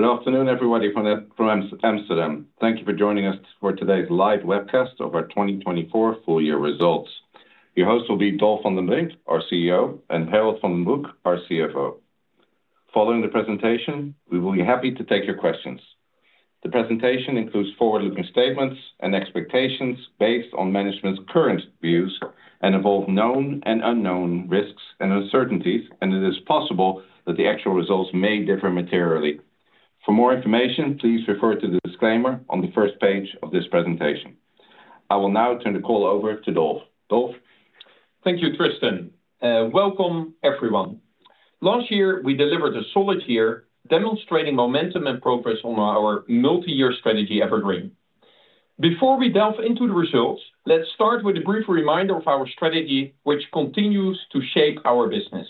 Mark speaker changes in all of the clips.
Speaker 1: Good afternoon, everybody from Amsterdam. Thank you for joining us for today's live webcast over 2024 full year results. Your host will be Dolf van den Brink, our CEO, and Harold van den Broek, our CFO. Following the presentation, we will be happy to take your questions. The presentation includes forward-looking statements and expectations based on management's current views and involve known and unknown risks and uncertainties, and it is possible that the actual results may differ materially. For more information, please refer to the disclaimer on the first page of this presentation. I will now turn the call over to Dolf. Dolf.
Speaker 2: Thank you, Tristan. Welcome, everyone. Last year, we delivered a solid year, demonstrating momentum and progress on our multi-year strategy, Evergreen. Before we delve into the results, let's start with a brief reminder of our strategy, which continues to shape our business.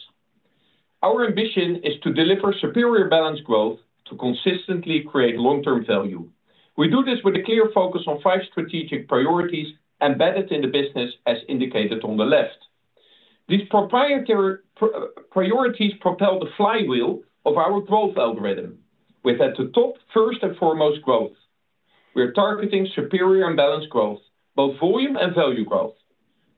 Speaker 2: Our ambition is to deliver superior balanced growth to consistently create long-term value. We do this with a clear focus on five strategic priorities embedded in the business, as indicated on the left. These proprietary priorities propel the flywheel of our growth algorithm. We're at the top, first and foremost, growth. We're targeting superior and balanced growth, both volume and value growth.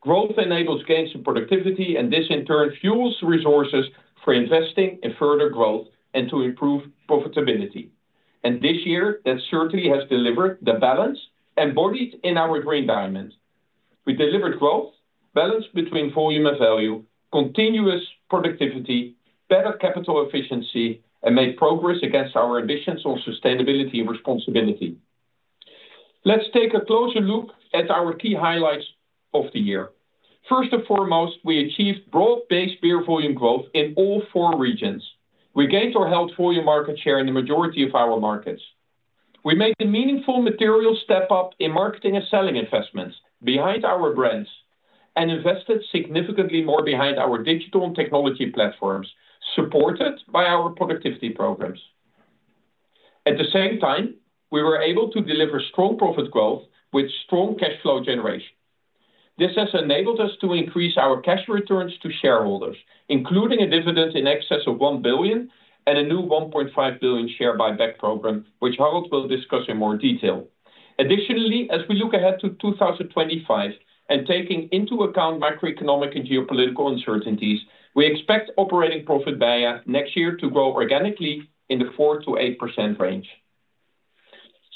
Speaker 2: Growth enables gains in productivity, and this in turn fuels resources for investing in further growth and to improve profitability, and this year, that certainly has delivered the balance embodied in our Green Diamond. We delivered growth, balance between volume and value, continuous productivity, better capital efficiency, and made progress against our ambitions on sustainability and responsibility. Let's take a closer look at our key highlights of the year. First and foremost, we achieved broad-based beer volume growth in all four regions. We gained or held volume market share in the majority of our markets. We made a meaningful material step up in marketing and selling investments behind our brands and invested significantly more behind our digital and technology platforms, supported by our productivity programs. At the same time, we were able to deliver strong profit growth with strong cash flow generation. This has enabled us to increase our cash returns to shareholders, including a dividend in excess of 1 billion and a new 1.5 billion share buyback program, which Harold will discuss in more detail. Additionally, as we look ahead to 2025 and taking into account macroeconomic and geopolitical uncertainties, we expect operating profit (BEIA) next year to grow organically in the 4% to 8% range.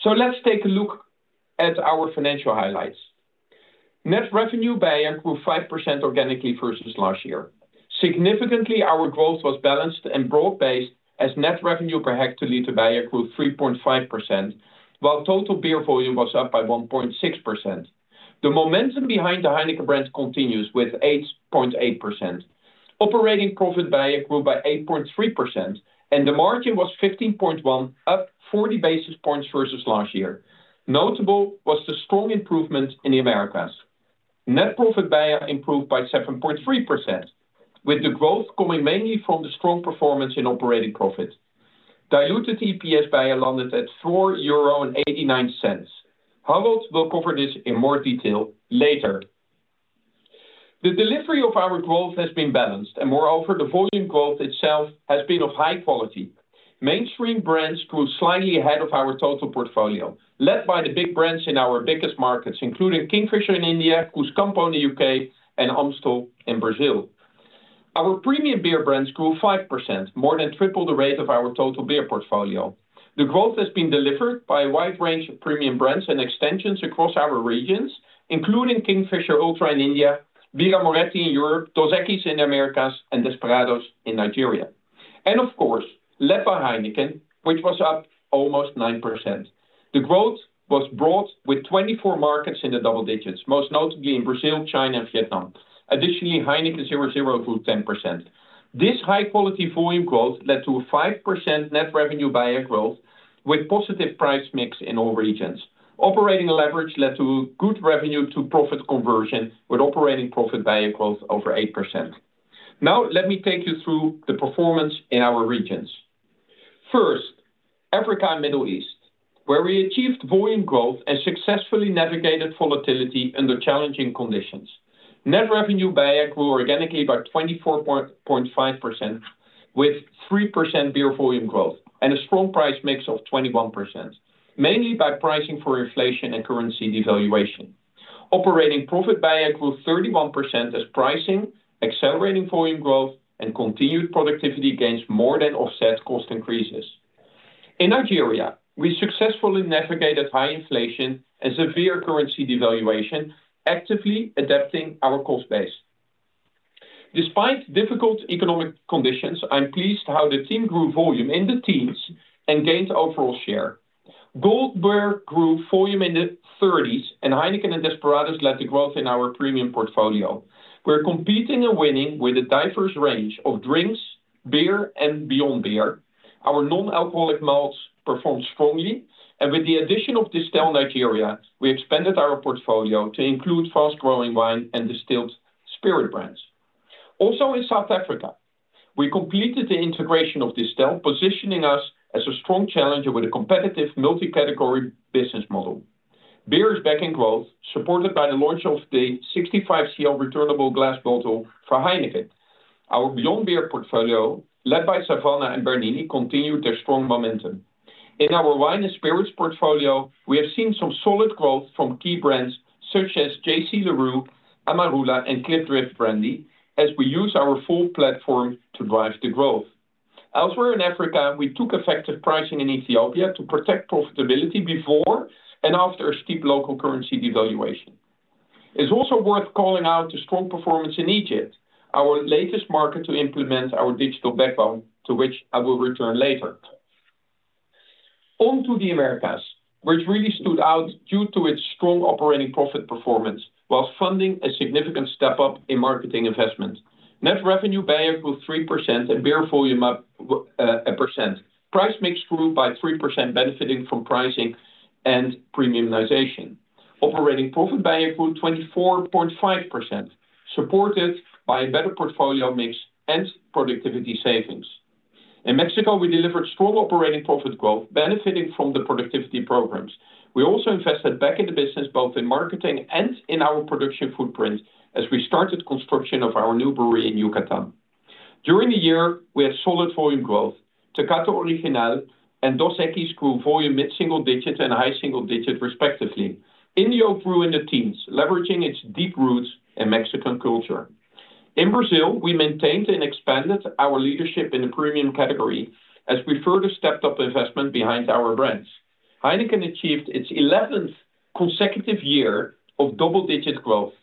Speaker 2: So let's take a look at our financial highlights. Net revenue (BEIA) grew, 5% organically versus last year. Significantly, our growth was balanced and broad-based, as net revenue per hectoliter (BEIA) grew 3.5%, while total beer volume was up by 1.6%. The momentum behind the Heineken brand continues with 8.8%. Operating profit (BEIA) grew by 8.3%, and the margin was 15.1%, up 40 basis points versus last year. Notable was the strong improvement in the Americas. Net profit (BEIA) improved by 7.3%, with the growth coming mainly from the strong performance in operating profit. Diluted EPS (BEIA) landed at 4.89 euro. Harold will cover this in more detail later. The delivery of our growth has been balanced, and moreover, the volume growth itself has been of high quality. Mainstream brands grew slightly ahead of our total portfolio, led by the big brands in our biggest markets, including Kingfisher in India, Cruzcampo in the U.K., and Amstel in Brazil. Our premium beer brands grew 5%, more than triple the rate of our total beer portfolio. The growth has been delivered by a wide range of premium brands and extensions across our regions, including Kingfisher Ultra in India, Birra Moretti in Europe, Dos Equis in the Americas, and Desperados in Nigeria, and of course, led by Heineken, which was up almost 9%. The growth was broad with 24 markets in the double digits, most notably in Brazil, China, and Vietnam. Additionally, Heineken 0.0 grew 10%. This high-quality volume growth led to a 5% net revenue (BEIA) growth with positive price mix in all regions. Operating leverage led to good revenue to profit conversion with operating profit (BEIA) growth over 8%. Now, let me take you through the performance in our regions. First, Africa and Middle East, where we achieved volume growth and successfully navigated volatility under challenging conditions. Net revenue (BEIA) organically by 24.5% with 3% beer volume growth and a strong price mix of 21%, mainly by pricing for inflation and currency devaluation. Operating profit (BEIA) 31% as pricing, accelerating volume growth, and continued productivity gains more than offset cost increases. In Nigeria, we successfully navigated high inflation and severe currency devaluation, actively adapting our cost base. Despite difficult economic conditions, I'm pleased how the team grew volume in the teens and gained overall share. Goldberg grew volume in the 30s, and Heineken and Desperados led the growth in our premium portfolio. We're competing and winning with a diverse range of drinks, beer, and beyond beer. Our non-alcoholic malt performed strongly, and with the addition of Distell Nigeria, we expanded our portfolio to include fast-growing wine and distilled spirit brands. Also in South Africa, we completed the integration of Distell, positioning us as a strong challenger with a competitive multi-category business model. Beer is back in growth, supported by the launch of the 65-cl returnable glass bottle for Heineken. Our beyond beer portfolio, led by Savanna and Bernini, continued their strong momentum. In our wine and spirits portfolio, we have seen some solid growth from key brands such as J.C. Le Roux, Amarula, and Klipdrift Brandy, as we use our full platform to drive the growth. Elsewhere in Africa, we took effective pricing in Ethiopia to protect profitability before and after a steep local currency devaluation. It's also worth calling out the strong performance in Egypt, our latest market to implement our digital backbone, to which I will return later. On to the Americas, which really stood out due to its strong operating profit performance while funding a significant step up in marketing investment. Net revenue BEIA 3% and beer volume up 1%. Price mix grew by 3%, benefiting from pricing and premiumization. Operating profit BEIA 24.5%, supported by a better portfolio mix and productivity savings. In Mexico, we delivered strong operating profit growth, benefiting from the productivity programs. We also invested back in the business, both in marketing and in our production footprint, as we started construction of our new brewery in Yucatán. During the year, we had solid volume growth. Tecate Original and Dos Equis grew volume mid-single digit and high single digit, respectively. India grew in the teens, leveraging its deep roots in Mexican culture. In Brazil, we maintained and expanded our leadership in the premium category, as we further stepped up investment behind our brands. Heineken achieved its 11th consecutive year of double-digit growth.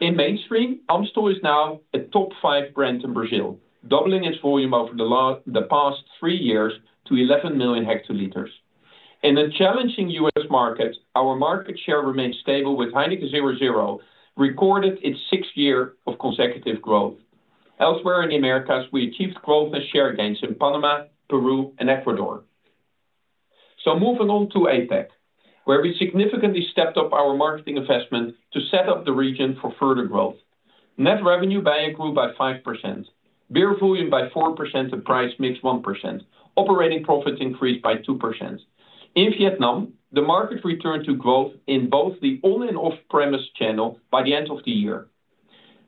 Speaker 2: In mainstream, Amstel is now a top five brand in Brazil, doubling its volume over the past three years to 11 million hectoliters. In a challenging U.S. market, our market share remained stable with Heineken 0.0 recorded its sixth year of consecutive growth. Elsewhere in the Americas, we achieved growth and share gains in Panama, Peru, and Ecuador. So moving on to APAC, where we significantly stepped up our marketing investment to set up the region for further growth. Net revenue (BEIA) grew by 5%. Beer volume by 4% and price mix 1%. Operating profit increased by 2%. In Vietnam, the market returned to growth in both the on- and off-premise channel by the end of the year.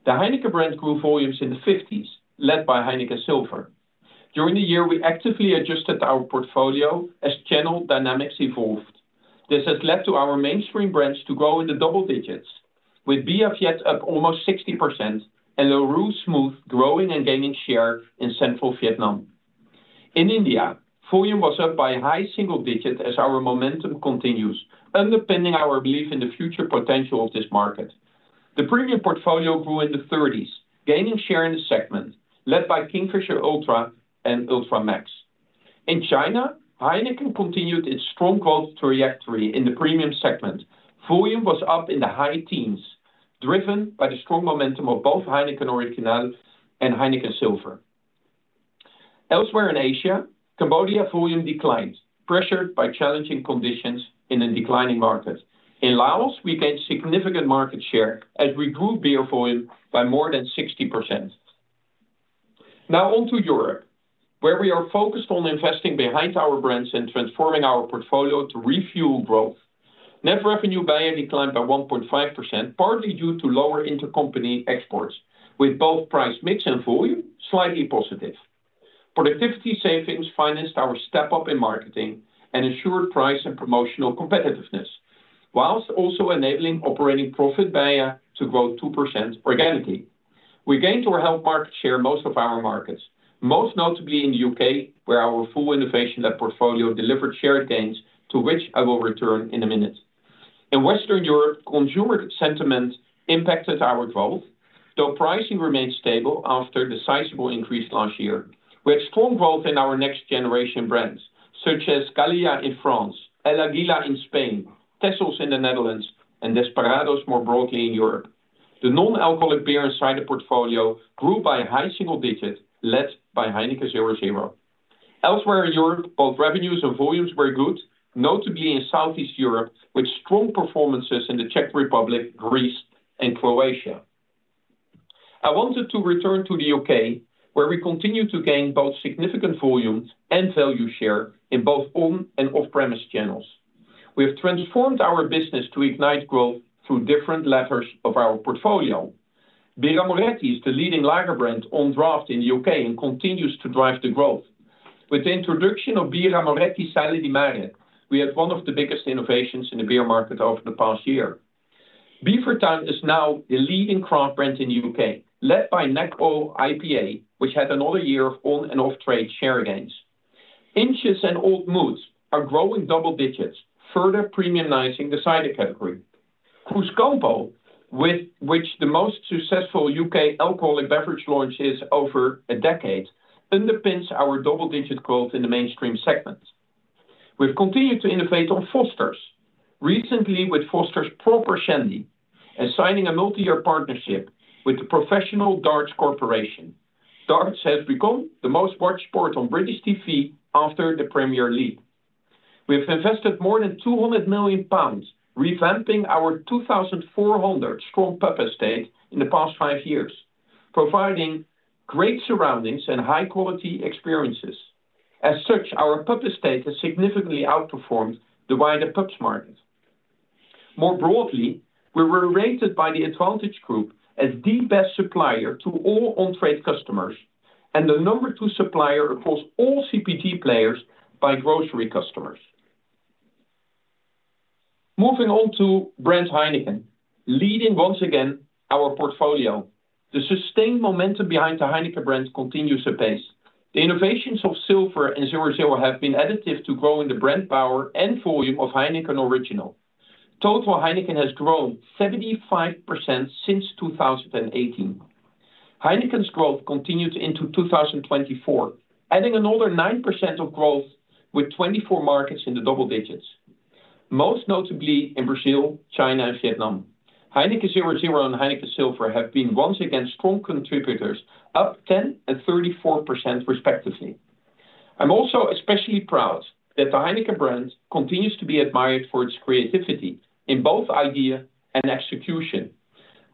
Speaker 2: The Heineken brand grew volumes in the 50s%, led by Heineken Silver. During the year, we actively adjusted our portfolio as channel dynamics evolved. This has led to our mainstream brands to grow in the double digits, with Bia Viet up almost 60% and Larue Smooth growing and gaining share in Central Vietnam. In India, volume was up by a high single digit as our momentum continues, underpinning our belief in the future potential of this market. The premium portfolio grew in the 30s%, gaining share in the segment, led by Kingfisher Ultra and Ultra Max. In China, Heineken continued its strong growth trajectory in the premium segment. Volume was up in the high teens, driven by the strong momentum of both Heineken Original and Heineken Silver. Elsewhere in Asia, Cambodia volume declined, pressured by challenging conditions in a declining market. In Laos, we gained significant market share as we grew beer volume by more than 60%. Now on to Europe, where we are focused on investing behind our brands and transforming our portfolio to refuel growth. Net revenue BEIA declined by 1.5%, partly due to lower intercompany exports, with both price mix and volume slightly positive. Productivity savings financed our step up in marketing and ensured price and promotional competitiveness, while also enabling operating profit BEIA to grow 2% organically. We gained or held market share in most of our markets, most notably in the U.K., where our full innovation portfolio delivered share gains, to which I will return in a minute. In Western Europe, consumer sentiment impacted our growth, though pricing remained stable after the sizable increase last year. We had strong growth in our next generation brands, such as Gallia in France, El Águila in Spain, Texels in the Netherlands, and Desperados more broadly in Europe. The non-alcoholic beer inside the portfolio grew by a high single digit, led by Heineken 0.0. Elsewhere in Europe, both revenues and volumes were good, notably in Southeast Europe, with strong performances in the Czech Republic, Greece, and Croatia. I wanted to return to the U.K., where we continue to gain both significant volume and value share in both on and off-premise channels. We have transformed our business to ignite growth through different levers of our portfolio. Birra Moretti is the leading lager brand on draft in the U.K. and continues to drive the growth. With the introduction of Birra Moretti Sale di Mare, we had one of the biggest innovations in the beer market over the past year. Beavertown is now the leading craft brand in the U.K., led by Neck Oil IPA, which had another year of on- and off-trade share gains. Inch's and Old Mout are growing double-digit, further premiumizing the cider category. Cruzcampo, which is the most successful U.K. alcoholic beverage launch in over a decade, underpins our double-digit growth in the mainstream segment. We've continued to innovate on Foster's, recently with Foster's Proper Shandy, and signing a multi-year partnership with the Professional Darts Corporation. Darts has become the most watched sport on British TV after the Premier League. We have invested more than 200 million pounds, revamping our 2,400-strong pub estate in the past five years, providing great surroundings and high-quality experiences. As such, our pub estate has significantly outperformed the wider pubs market. More broadly, we were rated by the Advantage Group as the best supplier to all on-trade customers and the number two supplier across all CPG players by grocery customers. Moving on to brand Heineken, leading once again our portfolio. The sustained momentum behind the Heineken brand continues to pace. The innovations of Silver and 0.0 have been additive to growing the brand power and volume of Heineken Original. Total Heineken has grown 75% since 2018. Heineken's growth continued into 2024, adding another 9% of growth with 24 markets in the double digits, most notably in Brazil, China, and Vietnam. Heineken 0.0 and Heineken Silver have been once again strong contributors, up 10% and 34%, respectively. I'm also especially proud that the Heineken brand continues to be admired for its creativity in both idea and execution.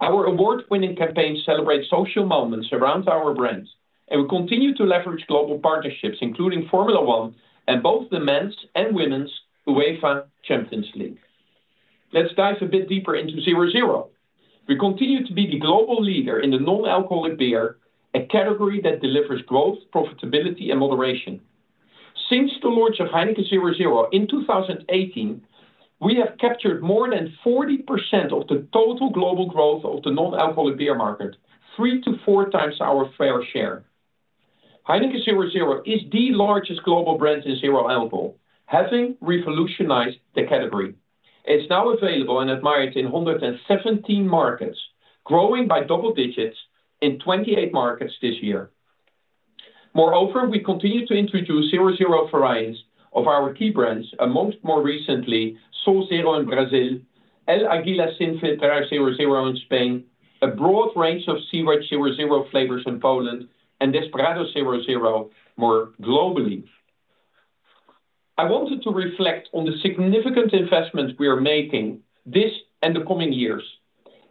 Speaker 2: Our award-winning campaign celebrates social moments around our brand, and we continue to leverage global partnerships, including Formula 1 and both the men's and women's UEFA Champions League. Let's dive a bit deeper into 0.0. We continue to be the global leader in the non-alcoholic beer, a category that delivers growth, profitability, and moderation. Since the launch of Heineken 0.0 in 2018, we have captured more than 40% of the total global growth of the non-alcoholic beer market, three to four times our fair share. Heineken 0.0 is the largest global brand in zero alcohol, having revolutionized the category. It's now available and admired in 117 markets, growing by double digits in 28 markets this year. Moreover, we continue to introduce 0.0 varieties of our key brands, among more recently Sol Zero in Brazil, El Águila Sin Filtrar 0.0 in Spain, a broad range of cider 0.0 flavors in Poland, and Desperados 0.0 more globally. I wanted to reflect on the significant investments we are making this and the coming years,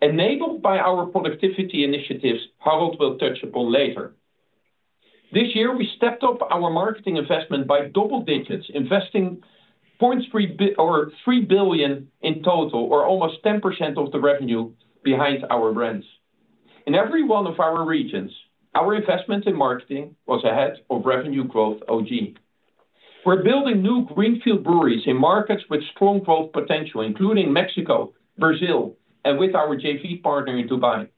Speaker 2: enabled by our productivity initiatives, Harold will touch upon later. This year, we stepped up our marketing investment by double digits, investing 0.3 billion in total, or almost 10% of the revenue behind our brands. In every one of our regions, our investment in marketing was ahead of revenue growth organic. We're building new greenfield breweries in markets with strong growth potential, including Mexico, Brazil, and with our JV partner in Dubai.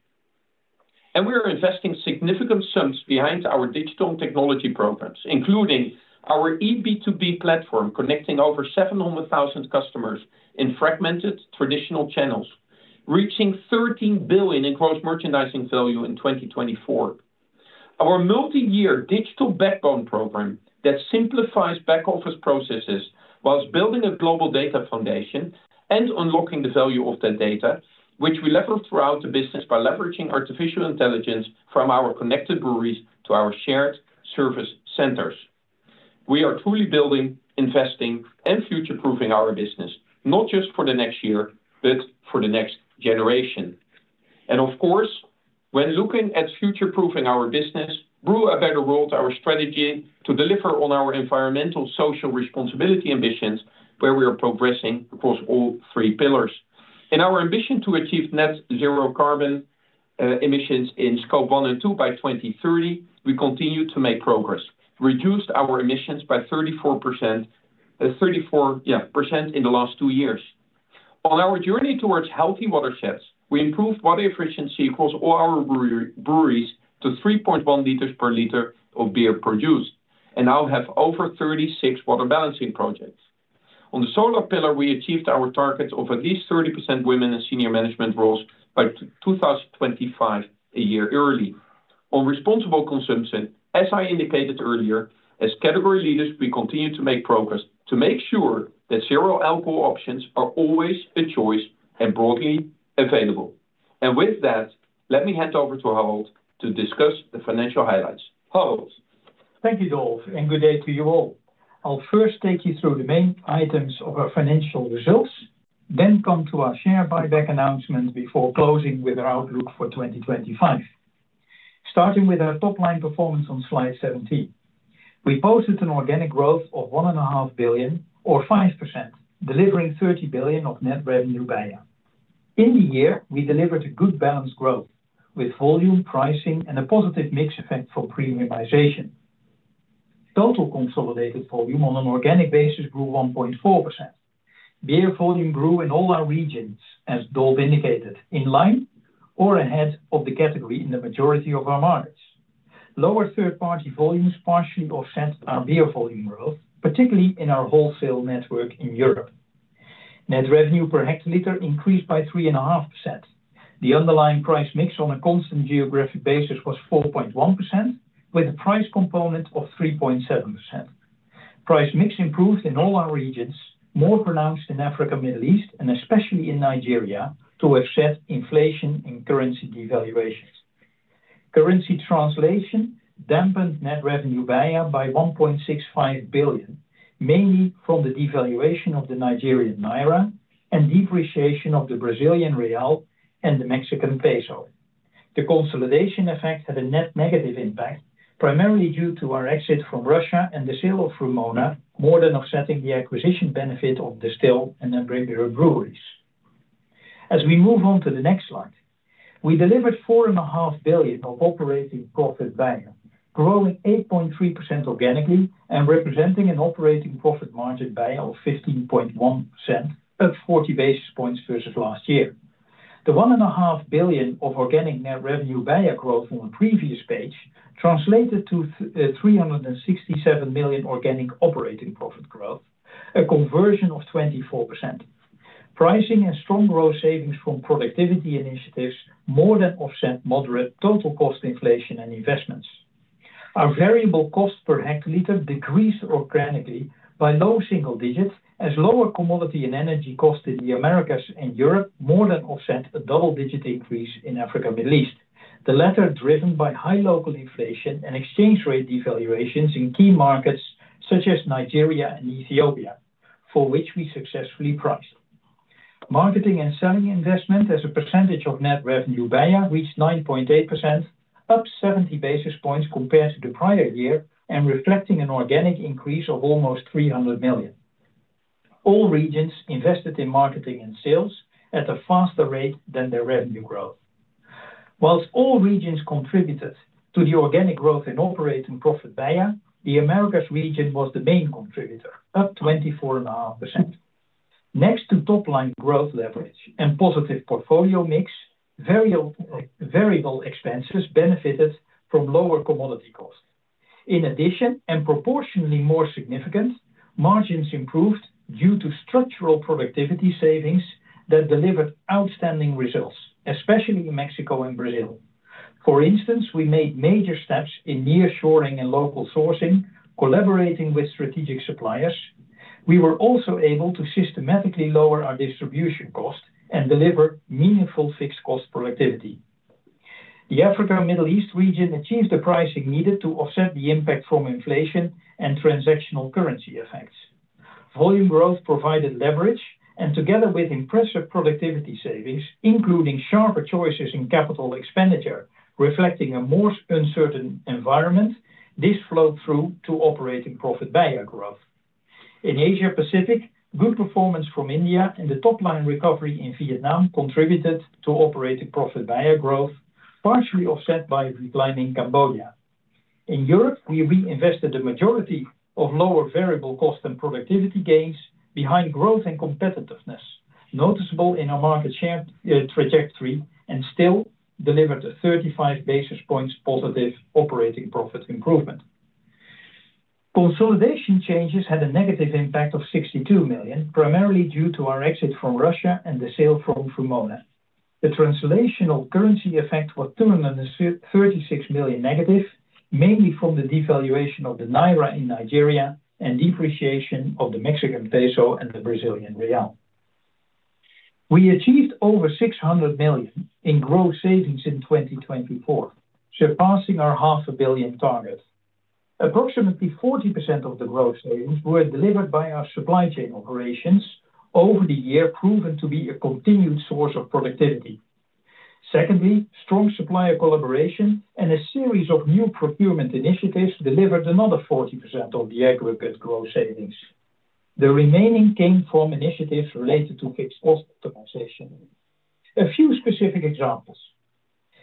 Speaker 2: And we are investing significant sums behind our digital and technology programs, including our eB2B platform connecting over 700,000 customers in fragmented traditional channels, reaching 13 billion in gross merchandising value in 2024. Our multi-year digital backbone program that simplifies back office processes while building a global data foundation and unlocking the value of that data, which we leverage throughout the business by leveraging artificial intelligence from our connected breweries to our shared service centers. We are truly building, investing, and future-proofing our business, not just for the next year, but for the next generation. And of course, when looking at future-proofing our business, we will better roll out our strategy to deliver on our environmental social responsibility ambitions where we are progressing across all three pillars. In our ambition to achieve Net Zero carbon emissions in Scope 1 and 2 by 2030, we continue to make progress, reducing our emissions by 34% in the last two years. On our journey towards healthy watersheds, we improved water efficiency across all our breweries to 3.1 liters per liter of beer produced and now have over 36 water balancing projects. On the solar pillar, we achieved our target of at least 30% women in senior management roles by 2025, a year early. On responsible consumption, as I indicated earlier, as category leaders, we continue to make progress to make sure that zero alcohol options are always a choice and broadly available. And with that, let me hand over to Harold to discuss the financial highlights. Harold.
Speaker 3: Thank you, Dolf, and good day to you all. I'll first take you through the main items of our financial results, then come to our share buyback announcement before closing with our outlook for 2025. Starting with our top-line performance on slide 17, we posted an organic growth of 1.5 billion, or 5%, delivering 30 billion of net revenue by year-end. In the year, we delivered a good balanced growth with volume, pricing, and a positive mix effect for premiumization. Total consolidated volume on an organic basis grew 1.4%. Beer volume grew in all our regions, as Dolf indicated, in line or ahead of the category in the majority of our markets. Lower third-party volumes partially offset our beer volume growth, particularly in our wholesale network in Europe. Net revenue per hectoliter increased by 3.5%. The underlying price mix on a constant geographic basis was 4.1%, with a price component of 3.7%. Price mix improved in all our regions, more pronounced in Africa, Middle East, and especially in Nigeria, to offset inflation and currency devaluations. Currency translation dampened net revenue by 1.65 billion, mainly from the devaluation of the Nigerian naira and depreciation of the Brazilian real and the Mexican peso. The consolidation effect had a net negative impact, primarily due to our exit from Russia and the sale of Vrumona, more than offsetting the acquisition benefit of Distell and Namibian Breweries. As we move on to the next slide, we delivered 4.5 billion of operating profit (BEIA), growing 8.3% organically and representing an operating profit margin of 15.1%, up 40 basis points versus last year. The 1.5 billion of organic net revenue (BEIA) growth on the previous page translated to 367 million organic operating profit growth, a conversion of 24%. Pricing and strong growth savings from productivity initiatives more than offset moderate total cost inflation and investments. Our variable cost per hectoliter decreased organically by low single digits, as lower commodity and energy costs in the Americas and Europe more than offset a double-digit increase in Africa Middle East, the latter driven by high local inflation and exchange rate devaluations in key markets such as Nigeria and Ethiopia, for which we successfully priced. Marketing and selling investment as a percentage of net revenue BEIA reached 9.8%, up 70 basis points compared to the prior year and reflecting an organic increase of almost 300 million. All regions invested in marketing and sales at a faster rate than their revenue growth. While all regions contributed to the organic growth in operating profit BEIA, the Americas region was the main contributor, up 24.5%. Next to top-line growth leverage and positive portfolio mix, variable expenses benefited from lower commodity costs. In addition, and proportionally more significant, margins improved due to structural productivity savings that delivered outstanding results, especially in Mexico and Brazil. For instance, we made major steps in nearshoring and local sourcing, collaborating with strategic suppliers. We were also able to systematically lower our distribution cost and deliver meaningful fixed cost productivity. The Africa Middle East region achieved the pricing needed to offset the impact from inflation and transactional currency effects. Volume growth provided leverage, and together with impressive productivity savings, including sharper choices in capital expenditure, reflecting a more uncertain environment, this flowed through to operating profit (BEIA) growth. In Asia-Pacific, good performance from India and the top-line recovery in Vietnam contributed to operating profit (BEIA) growth, partially offset by declining Cambodia. In Europe, we reinvested the majority of lower variable cost and productivity gains behind growth and competitiveness, noticeable in our market share trajectory, and still delivered a 35 basis points positive operating profit improvement. Consolidation changes had a negative impact of 62 million, primarily due to our exit from Russia and the sale from Vrumona. The translational currency effect was 236 million negative, mainly from the devaluation of the naira in Nigeria and depreciation of the Mexican peso and the Brazilian real. We achieved over 600 million in gross savings in 2024, surpassing our 500 million target. Approximately 40% of the gross savings were delivered by our supply chain operations over the year, proven to be a continued source of productivity. Secondly, strong supplier collaboration and a series of new procurement initiatives delivered another 40% of the aggregate gross savings. The remaining came from initiatives related to fixed cost optimization. A few specific examples.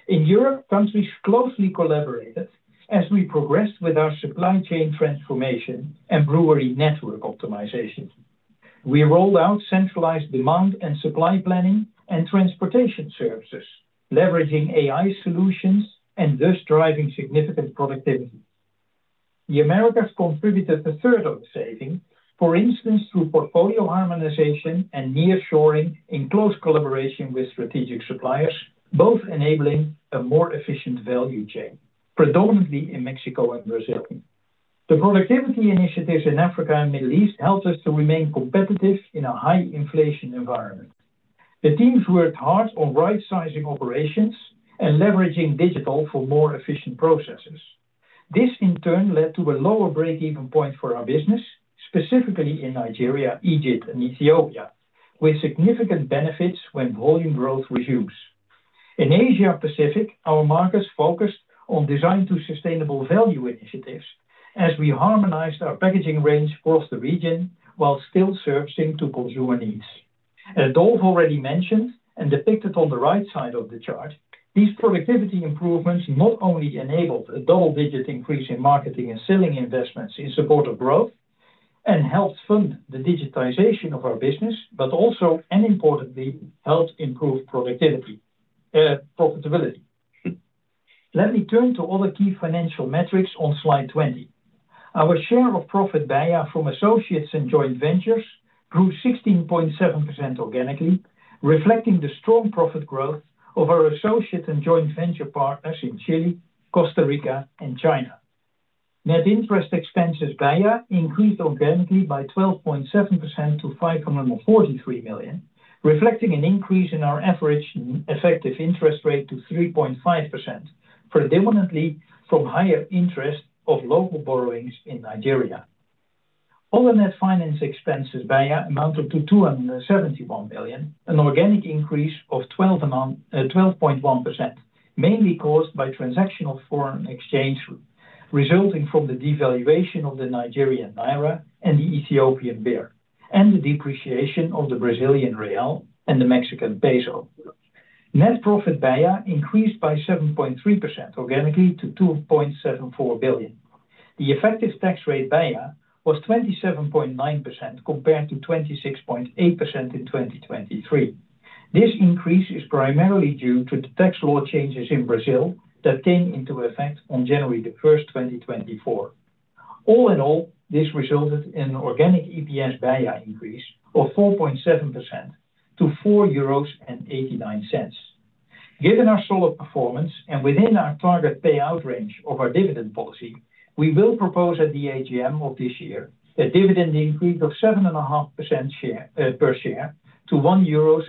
Speaker 3: In Europe, countries closely collaborated as we progressed with our supply chain transformation and brewery network optimization. We rolled out centralized demand and supply planning and transportation services, leveraging AI solutions and thus driving significant productivity. The Americas contributed a third of the savings, for instance, through portfolio harmonization and nearshoring in close collaboration with strategic suppliers, both enabling a more efficient value chain, predominantly in Mexico and Brazil. The productivity initiatives in Africa and the Middle East helped us to remain competitive in a high inflation environment. The teams worked hard on right-sizing operations and leveraging digital for more efficient processes. This, in turn, led to a lower break-even point for our business, specifically in Nigeria, Egypt, and Ethiopia, with significant benefits when volume growth resumes. In Asia-Pacific, our markets focused on design-to-sustainable value initiatives as we harmonized our packaging range across the region while still sourcing to consumer needs. As Dolf already mentioned and depicted on the right side of the chart, these productivity improvements not only enabled a double-digit increase in marketing and selling investments in support of growth and helped fund the digitization of our business, but also, and importantly, helped improve productivity, profitability. Let me turn to other key financial metrics on slide 20. Our share of profit BEIA from associates and joint ventures grew 16.7% organically, reflecting the strong profit growth of our associate and joint venture partners in Chile, Costa Rica, and China. Net interest expenses BEIA increased organically by 12.7% to 543 million, reflecting an increase in our average effective interest rate to 3.5%, predominantly from higher interest of local borrowings in Nigeria. Other net finance expenses BEIA amounted to 271 million, an organic increase of 12.1%, mainly caused by transactional foreign exchange resulting from the devaluation of the Nigerian Naira and the Ethiopian Birr, and the depreciation of the Brazilian real and the Mexican peso. Net profit BEIA increased by 7.3% organically to 2.74 billion. The effective tax rate BEIA was 27.9% compared to 26.8% in 2023. This increase is primarily due to the tax law changes in Brazil that came into effect on January 1, 2024. All in all, this resulted in an organic EPS BEIA increase of 4.7% to 4.89 euros. Given our solid performance and within our target payout range of our dividend policy, we will propose at the AGM of this year a dividend increase of 7.5% per share to 1.87 euros.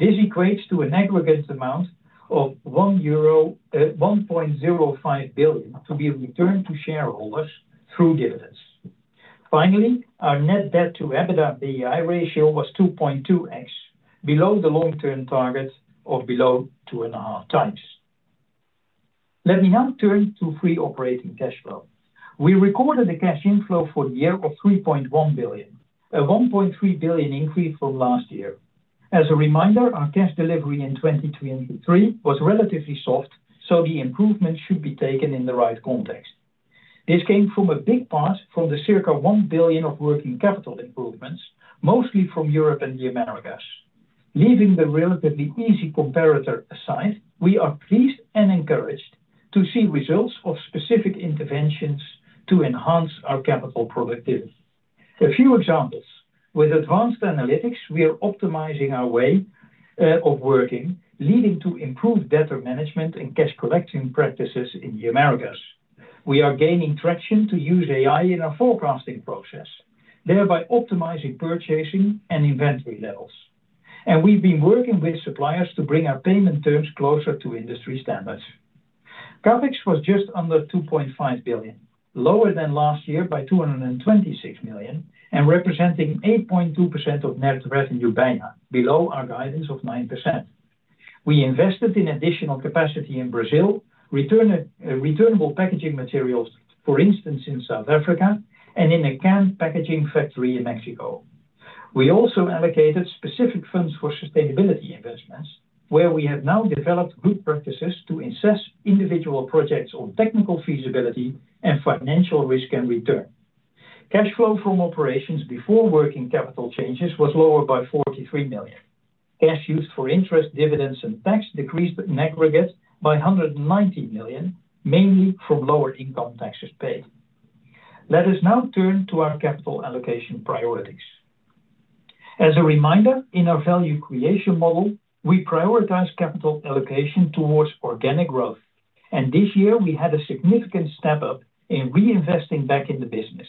Speaker 3: This equates to an aggregate amount of 1.05 billion to be returned to shareholders through dividends. Finally, our net debt to EBITDA ratio was 2.2x, below the long-term target of below two and a half times. Let me now turn to free operating cash flow. We recorded the cash inflow for the year of 3.1 billion, a 1.3 billion increase from last year. As a reminder, our cash delivery in 2023 was relatively soft, so the improvement should be taken in the right context. This came from a big part from the circa 1 billion of working capital improvements, mostly from Europe and the Americas. Leaving the relatively easy comparator aside, we are pleased and encouraged to see results of specific interventions to enhance our capital productivity. A few examples. With advanced analytics, we are optimizing our way of working, leading to improved debtor management and cash collection practices in the Americas. We are gaining traction to use AI in our forecasting process, thereby optimizing purchasing and inventory levels. We've been working with suppliers to bring our payment terms closer to industry standards. Capex was just under 2.5 billion, lower than last year by 226 million, and representing 8.2% of net revenue (BEIA), below our guidance of 9%. We invested in additional capacity in Brazil, returnable packaging materials, for instance, in South Africa, and in a canned packaging factory in Mexico. We also allocated specific funds for sustainability investments, where we have now developed good practices to assess individual projects on technical feasibility and financial risk and return. Cash flow from operations before working capital changes was lower by 43 million. Cash used for interest, dividends, and tax decreased in aggregate by 190 million, mainly from lower income taxes paid. Let us now turn to our capital allocation priorities. As a reminder, in our value creation model, we prioritize capital allocation towards organic growth, and this year, we had a significant step up in reinvesting back in the business,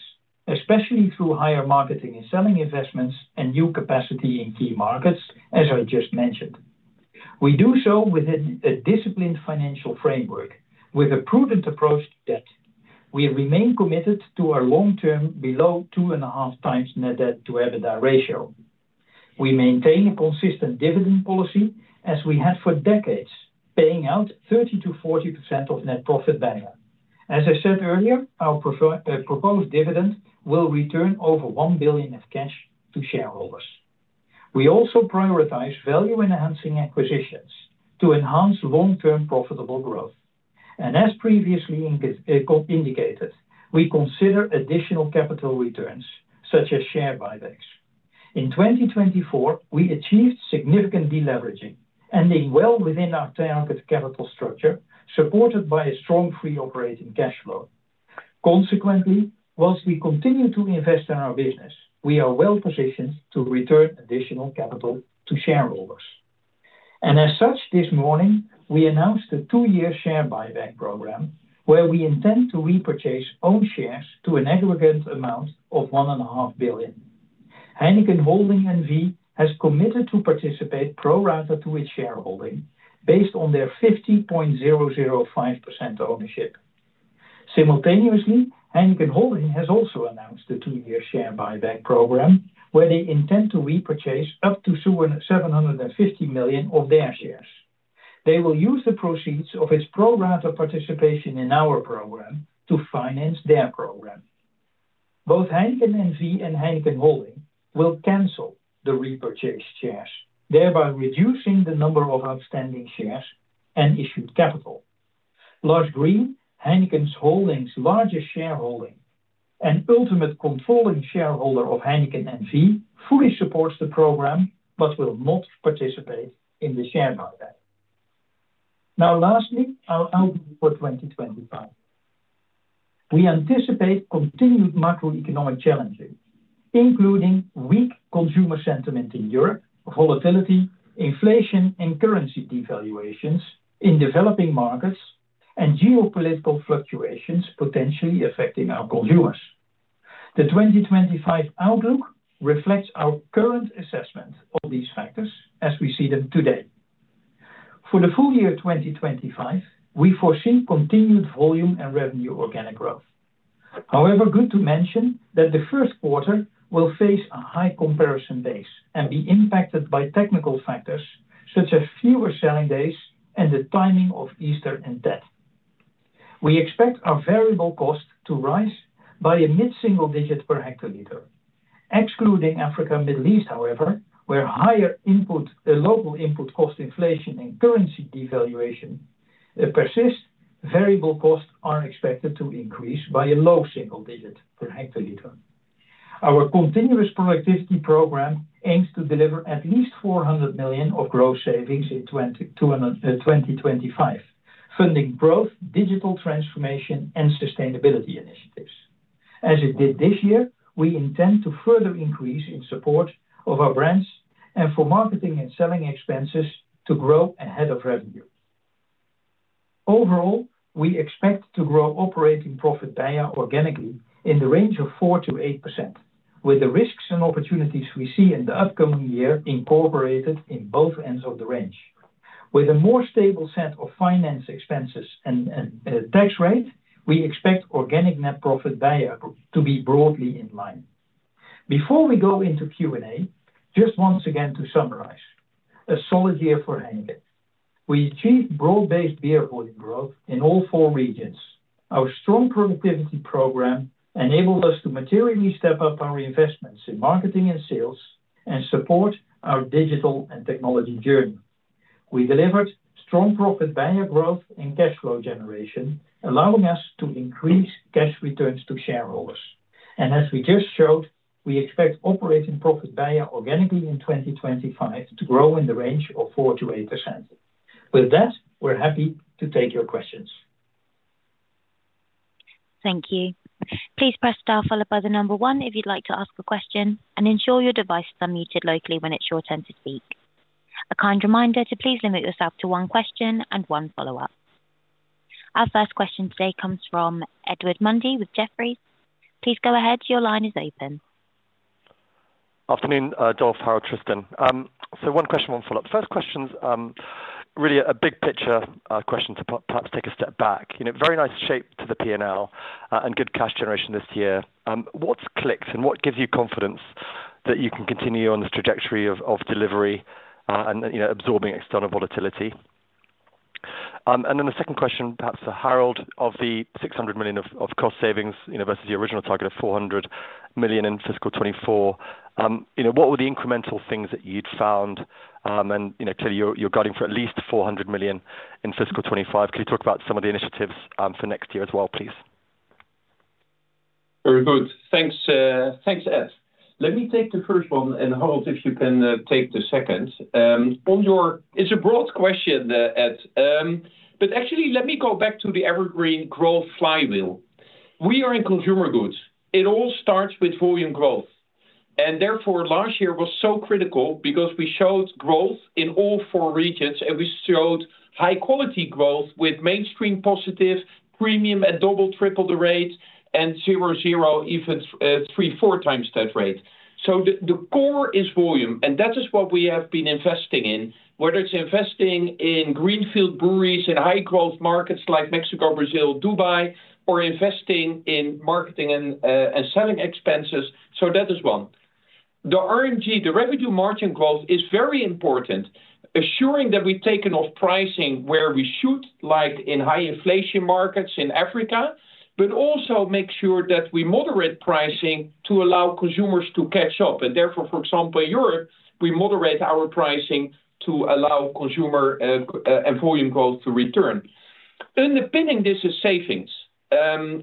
Speaker 3: especially through higher marketing and selling investments and new capacity in key markets, as I just mentioned. We do so with a disciplined financial framework, with a prudent approach to debt. We remain committed to our long-term below two and a half times net debt to EBITDA ratio. We maintain a consistent dividend policy, as we had for decades, paying out 30%-40% of net profit BEIA. As I said earlier, our proposed dividend will return over 1 billion of cash to shareholders. We also prioritize value-enhancing acquisitions to enhance long-term profitable growth, and as previously indicated, we consider additional capital returns, such as share buybacks. In 2024, we achieved significant deleveraging, ending well within our target capital structure, supported by a strong free operating cash flow. Consequently, whilst we continue to invest in our business, we are well positioned to return additional capital to shareholders, and as such, this morning, we announced a two-year share buyback program, where we intend to repurchase own shares to an aggregate amount of 1.5 billion. Heineken Holding N.V. has committed to participate pro rata to its shareholding, based on their 50.005% ownership. Simultaneously, Heineken Holding has also announced a two-year share buyback program, where they intend to repurchase up to 750 million of their shares. They will use the proceeds of its pro rata participation in our program to finance their program. Both Heineken N.V. and Heineken Holding will cancel the repurchased shares, thereby reducing the number of outstanding shares and issued capital. L'Arche Green, Heineken Holding's largest shareholder and ultimate controlling shareholder of Heineken N.V., fully supports the program but will not participate in the share buyback. Now, lastly, our outlook for 2025. We anticipate continued macroeconomic challenges, including weak consumer sentiment in Europe, volatility, inflation, and currency devaluations in developing markets, and geopolitical fluctuations potentially affecting our consumers. The 2025 outlook reflects our current assessment of these factors as we see them today. For the full year 2025, we foresee continued volume and revenue organic growth. However, good to mention that the first quarter will face a high comparison base and be impacted by technical factors such as fewer selling days and the timing of Easter and Tet. We expect our variable cost to rise by a mid-single digit per hectoliter. Excluding Africa Middle East, however, where higher local input cost inflation and currency devaluation persist, variable costs are expected to increase by a low single digit per hectoliter. Our continuous productivity program aims to deliver at least 400 million of gross savings in 2025, funding growth, digital transformation, and sustainability initiatives. As it did this year, we intend to further increase in support of our brands and for marketing and selling expenses to grow ahead of revenue. Overall, we expect to grow operating profit (BEIA) organically in the range of 4%-8%, with the risks and opportunities we see in the upcoming year incorporated in both ends of the range. With a more stable set of finance expenses and tax rate, we expect organic net profit (BEIA) to be broadly in line. Before we go into Q&A, just once again to summarize, a solid year for Heineken. We achieved broad-based beer volume growth in all four regions. Our strong productivity program enabled us to materially step up our investments in marketing and sales and support our digital and technology journey. We delivered strong profit BEIA growth and cash flow generation, allowing us to increase cash returns to shareholders. As we just showed, we expect operating profit BEIA organically in 2025 to grow in the range of 4%-8%. With that, we're happy to take your questions.
Speaker 4: Thank you. Please press star followed by the number one if you'd like to ask a question, and ensure your devices are muted locally when it's your turn to speak. A kind reminder to please limit yourself to one question and one follow-up. Our first question today comes from Edward Mundy with Jefferies. Please go ahead. Your line is open.
Speaker 5: Afternoon, Dolf, Harold, Tristan. So one question, one follow-up. The first question's really a big picture question to perhaps take a step back. Very nice shape to the P&L and good cash generation this year. What's clicked and what gives you confidence that you can continue on this trajectory of delivery and absorbing external volatility? And then the second question, perhaps for Harold, of the 600 million of cost savings versus the original target of 400 million in fiscal 2024, what were the incremental things that you'd found? And clearly, you're guiding for at least 400 million in fiscal 2025. Can you talk about some of the initiatives for next year as well, please?
Speaker 2: Very good. Thanks, Ed. Let me take the first one, and Harold, if you can take the second. It's a broad question, Ed. But actually, let me go back to the evergreen growth flywheel. We are in consumer goods. It all starts with volume growth. And therefore, last year was so critical because we showed growth in all four regions, and we showed high-quality growth with mainstream positive, premium at double, triple the rate, and zero, zero, even three, four times that rate. So the core is volume, and that is what we have been investing in, whether it's investing in greenfield breweries in high-growth markets like Mexico, Brazil, Dubai, or investing in marketing and selling expenses. So that is one. The R&G, the revenue margin growth, is very important, assuring that we take enough pricing where we should, like in high-inflation markets in Africa, but also make sure that we moderate pricing to allow consumers to catch up. And therefore, for example, in Europe, we moderate our pricing to allow consumer and volume growth to return. Underpinning this is savings.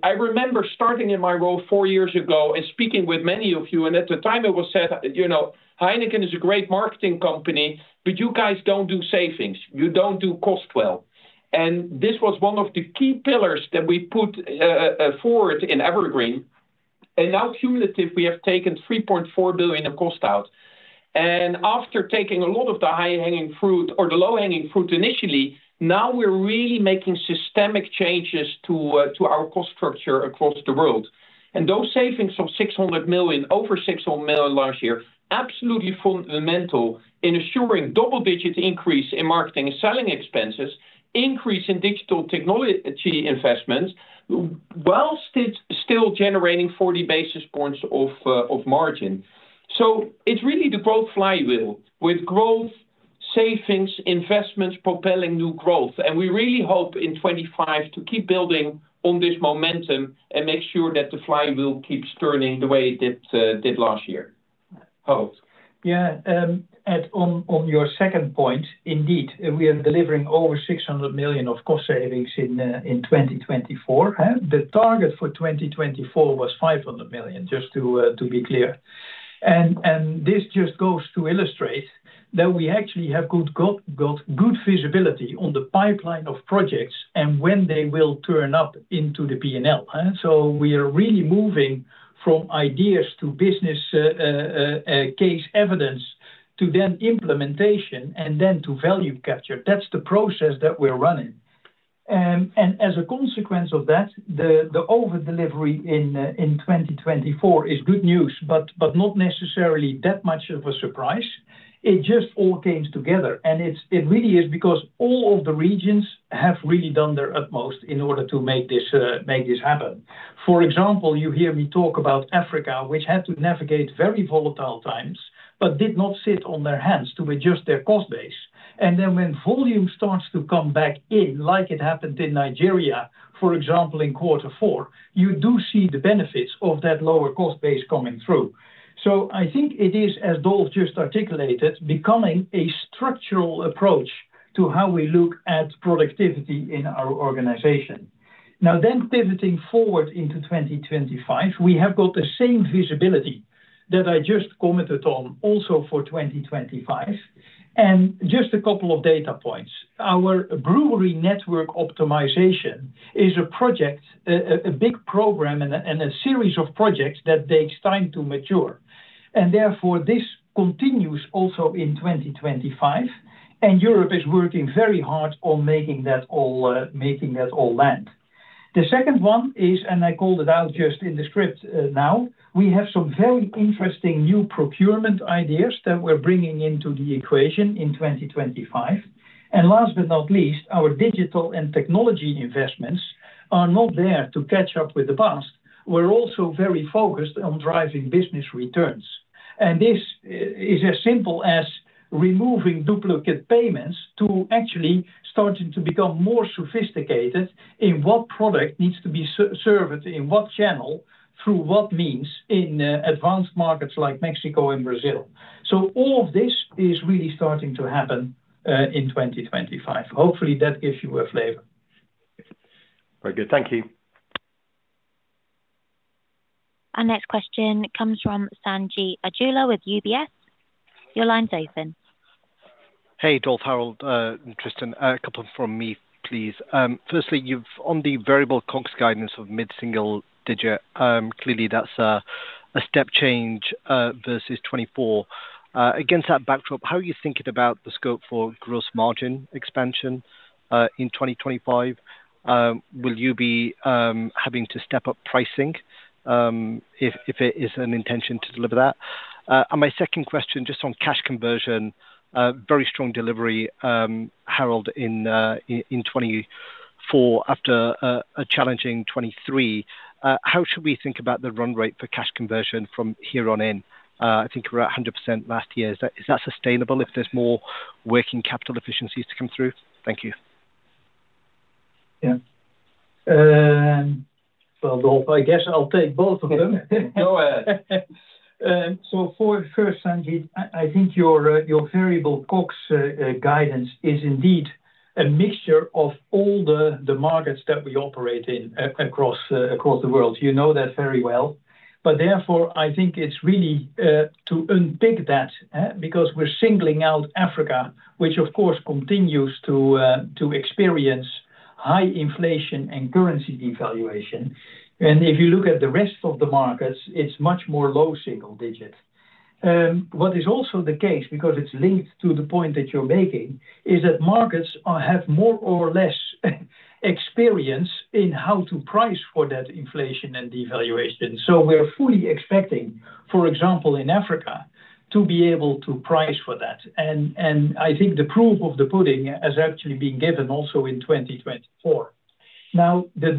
Speaker 2: I remember starting in my role four years ago and speaking with many of you, and at the time, it was said, "Heineken is a great marketing company, but you guys don't do savings. You don't do cost well." And this was one of the key pillars that we put forward in Evergreen. And now, cumulative, we have taken 3.4 billion of cost out. And after taking a lot of the high-hanging fruit or the low-hanging fruit initially, now we're really making systemic changes to our cost structure across the world. And those savings of 600 million, over 600 million last year, absolutely fundamental in assuring double-digit increase in marketing and selling expenses, increase in digital technology investments, while it's still generating 40 basis points of margin. So it's really the growth flywheel with growth, savings, investments propelling new growth. And we really hope in 2025 to keep building on this momentum and make sure that the flywheel keeps turning the way it did last year.
Speaker 3: Yeah, Ed, on your second point, indeed, we are delivering over 600 million of cost savings in 2024. The target for 2024 was 500 million, just to be clear. And this just goes to illustrate that we actually have got good visibility on the pipeline of projects and when they will turn up into the P&L. So we are really moving from ideas to business case evidence to then implementation and then to value capture. That's the process that we're running. And as a consequence of that, the overdelivery in 2024 is good news, but not necessarily that much of a surprise. It just all came together. It really is because all of the regions have really done their utmost in order to make this happen. For example, you hear me talk about Africa, which had to navigate very volatile times, but did not sit on their hands to adjust their cost base. Then when volume starts to come back in, like it happened in Nigeria, for example, in quarter four, you do see the benefits of that lower cost base coming through. I think it is, as Dolf just articulated, becoming a structural approach to how we look at productivity in our organization. Now, then pivoting forward into 2025, we have got the same visibility that I just commented on also for 2025. Just a couple of data points. Our brewery network optimization is a project, a big program, and a series of projects that takes time to mature. Therefore, this continues also in 2025. Europe is working very hard on making that all land. The second one is, and I called it out just in the script now, we have some very interesting new procurement ideas that we're bringing into the equation in 2025. And last but not least, our digital and technology investments are not there to catch up with the past. We're also very focused on driving business returns. And this is as simple as removing duplicate payments to actually starting to become more sophisticated in what product needs to be served, in what channel, through what means in advanced markets like Mexico and Brazil. So all of this is really starting to happen in 2025. Hopefully, that gives you a flavor.
Speaker 5: Very good. Thank you.
Speaker 4: Our next question comes from Sanjeet Aujla with UBS. Your line's open.
Speaker 6: Hey, Dolf, Harold, Tristan, a couple from me, please. Firstly, on the variable cost guidance of mid-single digit, clearly that's a step change versus 2024. Against that backdrop, how are you thinking about the scope for gross margin expansion in 2025? Will you be having to step up pricing if it is an intention to deliver that? And my second question, just on cash conversion, very strong delivery, Harold, in 2024, after a challenging 2023. How should we think about the run rate for cash conversion from here on in? I think we're at 100% last year. Is that sustainable if there's more working capital efficiencies to come through? Thank you.
Speaker 3: Yeah. Well, Dolf, I guess I'll take both of them. Go ahead. So first, Sanjeet, I think your variable cost guidance is indeed a mixture of all the markets that we operate in across the world. You know that very well. But therefore, I think it's really to unpick that because we're singling out Africa, which, of course, continues to experience high inflation and currency devaluation. And if you look at the rest of the markets, it's much more low single digit. What is also the case, because it's linked to the point that you're making, is that markets have more or less experience in how to price for that inflation and devaluation. So we're fully expecting, for example, in Africa, to be able to price for that. And I think the proof of the pudding has actually been given also in 2024. Now, the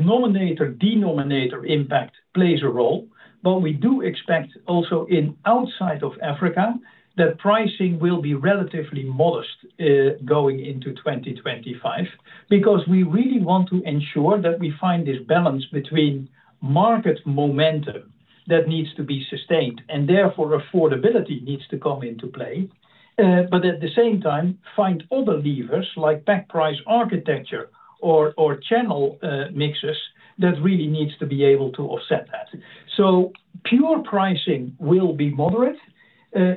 Speaker 3: denominator impact plays a role, but we do expect also outside of Africa that pricing will be relatively modest going into 2025 because we really want to ensure that we find this balance between market momentum that needs to be sustained and therefore affordability needs to come into play. But at the same time, find other levers like pack price architecture or channel mixes that really need to be able to offset that. So pure pricing will be moderate.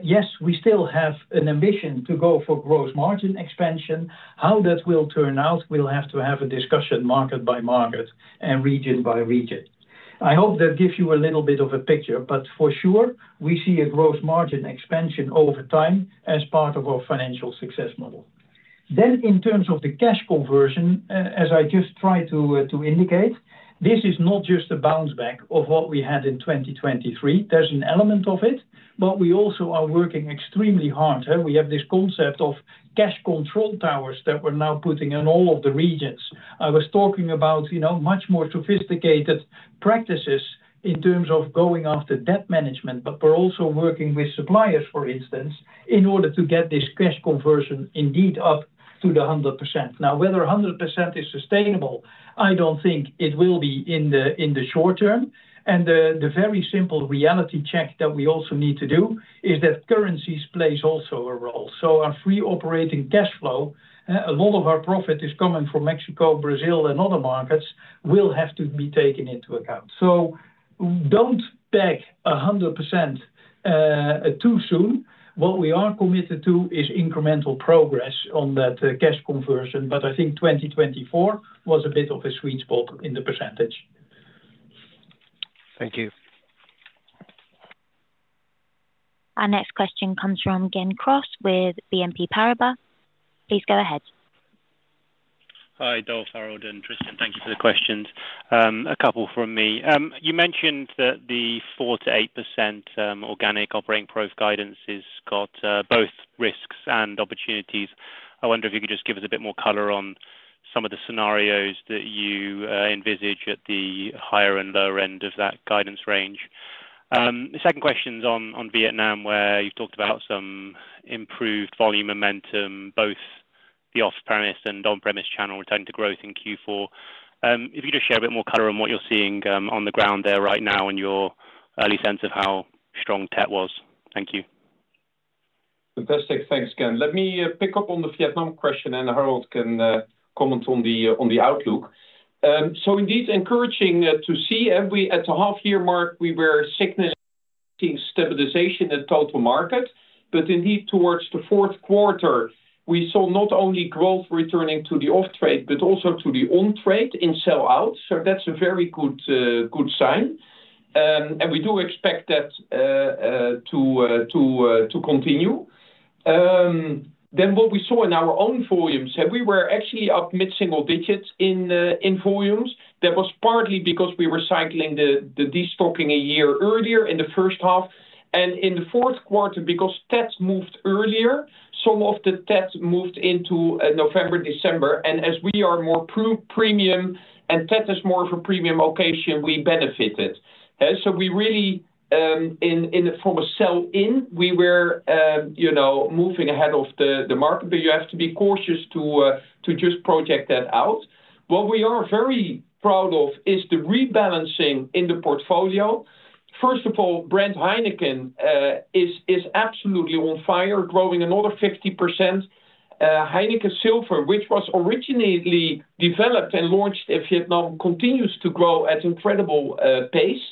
Speaker 3: Yes, we still have an ambition to go for gross margin expansion. How that will turn out, we'll have to have a discussion market by market and region by region. I hope that gives you a little bit of a picture, but for sure, we see a gross margin expansion over time as part of our financial success model. Then, in terms of the cash conversion, as I just tried to indicate, this is not just a bounce back of what we had in 2023. There's an element of it, but we also are working extremely hard. We have this concept of cash control towers that we're now putting in all of the regions. I was talking about much more sophisticated practices in terms of going after debt management, but we're also working with suppliers, for instance, in order to get this cash conversion indeed up to the 100%. Now, whether 100% is sustainable, I don't think it will be in the short term. And the very simple reality check that we also need to do is that currencies play also a role. So our free operating cash flow, a lot of our profit is coming from Mexico, Brazil, and other markets, will have to be taken into account. So don't peg 100% too soon. What we are committed to is incremental progress on that cash conversion, but I think 2024 was a bit of a sweet spot in the percentage.
Speaker 6: Thank you.
Speaker 4: Our next question comes from Gen Cross with BNP Paribas. Please go ahead.
Speaker 7: Hi, Dolf, Harold, and Tristan. Thank you for the questions. A couple from me. You mentioned that the 4%-8% organic operating profit guidance has got both risks and opportunities. I wonder if you could just give us a bit more color on some of the scenarios that you envisage at the higher and lower end of that guidance range. The second question's on Vietnam, where you've talked about some improved volume momentum, both the off-premise and on-premise channel returning to growth in Q4. If you could just share a bit more color on what you're seeing on the ground there right now and your early sense of how strong Tet was? Thank you.
Speaker 2: Fantastic. Thanks, Gen. Let me pick up on the Vietnam question, and Harold can comment on the outlook. So indeed, encouraging to see at the half-year mark, we were seeing stabilization in total market. But indeed, towards the fourth quarter, we saw not only growth returning to the off-trade, but also to the on-trade in sell-out. So that's a very good sign. And we do expect that to continue. Then what we saw in our own volumes, we were actually up mid-single digits in volumes. That was partly because we were cycling the destocking a year earlier in the first half. And in the fourth quarter, because Tet moved earlier, some of the Tet moved into November, December. As we are more premium and Tet is more of a premium occasion, we benefited. We really, from a sell-in, were moving ahead of the market. You have to be cautious to just project that out. What we are very proud of is the rebalancing in the portfolio. First of all, brand Heineken is absolutely on fire, growing another 50%. Heineken Silver, which was originally developed and launched in Vietnam, continues to grow at incredible pace.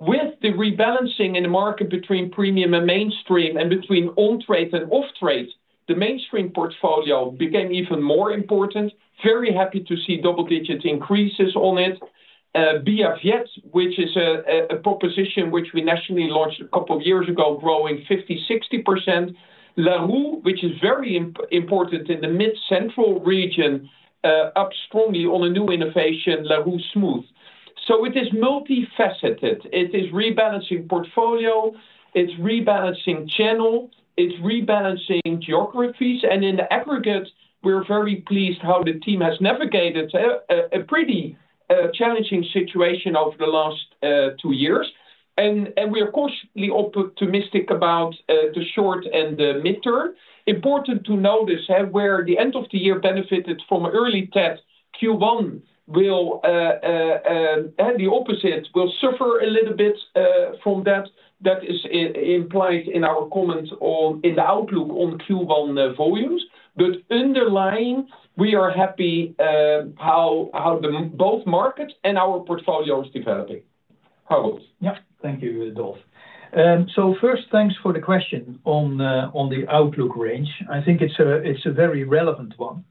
Speaker 2: With the rebalancing in the market between premium and mainstream and between on-trade and off-trade, the mainstream portfolio became even more important. Very happy to see double-digit increases on it. Bia Viet, which is a proposition which we nationally launched a couple of years ago, growing 50%, 60%. Larue, which is very important in the mid-central region, up strongly on a new innovation, Larue Smooth. It is multifaceted. It is rebalancing portfolio. It's rebalancing channel. It's rebalancing geographies. And in the aggregate, we're very pleased how the team has navigated a pretty challenging situation over the last two years. And we are cautiously optimistic about the short and the midterm. Important to notice where the end of the year benefited from early Tet. Q1 will, and the opposite will suffer a little bit from that. That is implied in our comment on the outlook on Q1 volumes. But underlying, we are happy how both markets and our portfolio is developing. Harold.
Speaker 3: Yeah, thank you, Dolf. So first, thanks for the question on the outlook range. I think it's a very relevant one.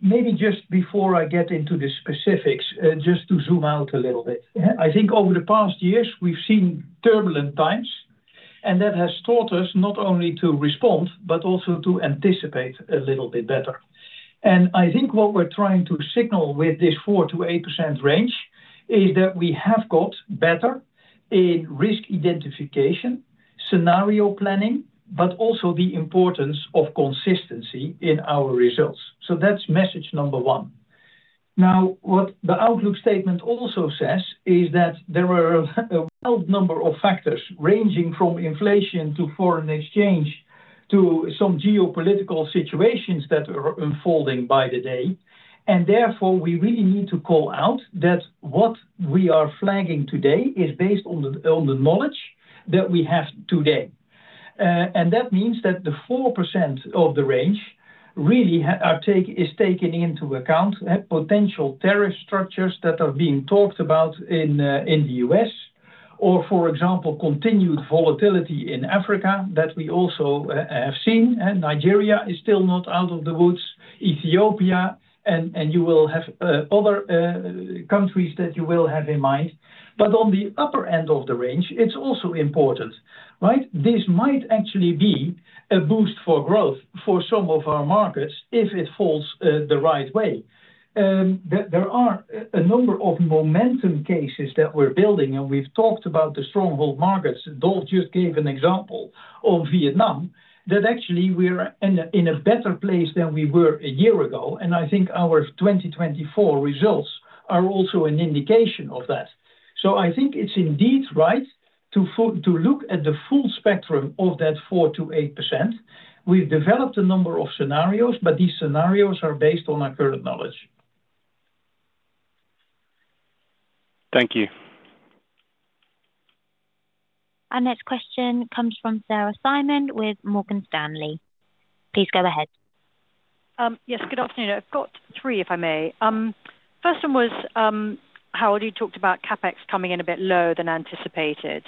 Speaker 3: Maybe just before I get into the specifics, just to zoom out a little bit. I think over the past years, we've seen turbulent times, and that has taught us not only to respond, but also to anticipate a little bit better. And I think what we're trying to signal with this 4%-8% range is that we have got better in risk identification, scenario planning, but also the importance of consistency in our results. So that's message number one. Now, what the outlook statement also says is that there were a number of factors ranging from inflation to foreign exchange to some geopolitical situations that were unfolding by the day. And therefore, we really need to call out that what we are flagging today is based on the knowledge that we have today. And that means that the 4% of the range really is taken into account potential tariff structures that are being talked about in the U.S., or, for example, continued volatility in Africa that we also have seen. Nigeria is still not out of the woods. Ethiopia, and you will have other countries that you will have in mind. But on the upper end of the range, it's also important, right? This might actually be a boost for growth for some of our markets if it falls the right way. There are a number of momentum cases that we're building, and we've talked about the stronghold markets. Dolf just gave an example on Vietnam that actually we're in a better place than we were a year ago. And I think our 2024 results are also an indication of that. So I think it's indeed right to look at the full spectrum of that 4%-8%. We've developed a number of scenarios, but these scenarios are based on our current knowledge.
Speaker 2: Thank you.
Speaker 4: Our next question comes from Sarah Simon with Morgan Stanley. Please go ahead.
Speaker 8: Yes, good afternoon. I've got three, if I may. First one was, Harold, you talked about CapEx coming in a bit lower than anticipated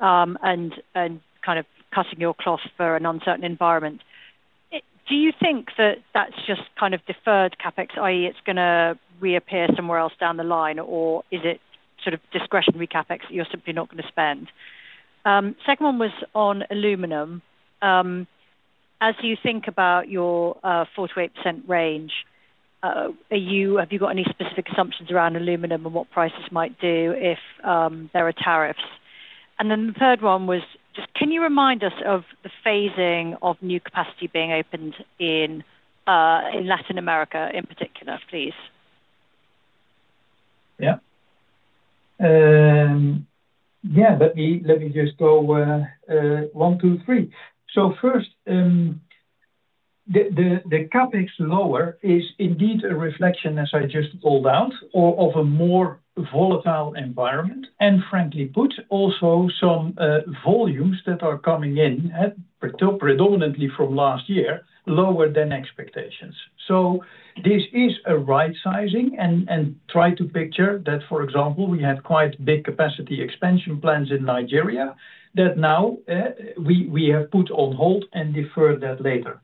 Speaker 8: and kind of cutting your cloth for an uncertain environment. Do you think that that's just kind of deferred CapEx, i.e., it's going to reappear somewhere else down the line, or is it sort of discretionary CapEx that you're simply not going to spend? Second one was on aluminum. As you think about your 4%-8% range, have you got any specific assumptions around aluminum and what prices might do if there are tariffs? The third one was just, can you remind us of the phasing of new capacity being opened in Latin America in particular, please?
Speaker 3: Yeah. Yeah, let me just go one, two, three. First, the CapEx lower is indeed a reflection, as I just pointed out, of a more volatile environment and, frankly put, also some volumes that are coming in, predominantly from last year, lower than expectations. This is a right-sizing and try to picture that, for example, we had quite big capacity expansion plans in Nigeria that now we have put on hold and deferred that later.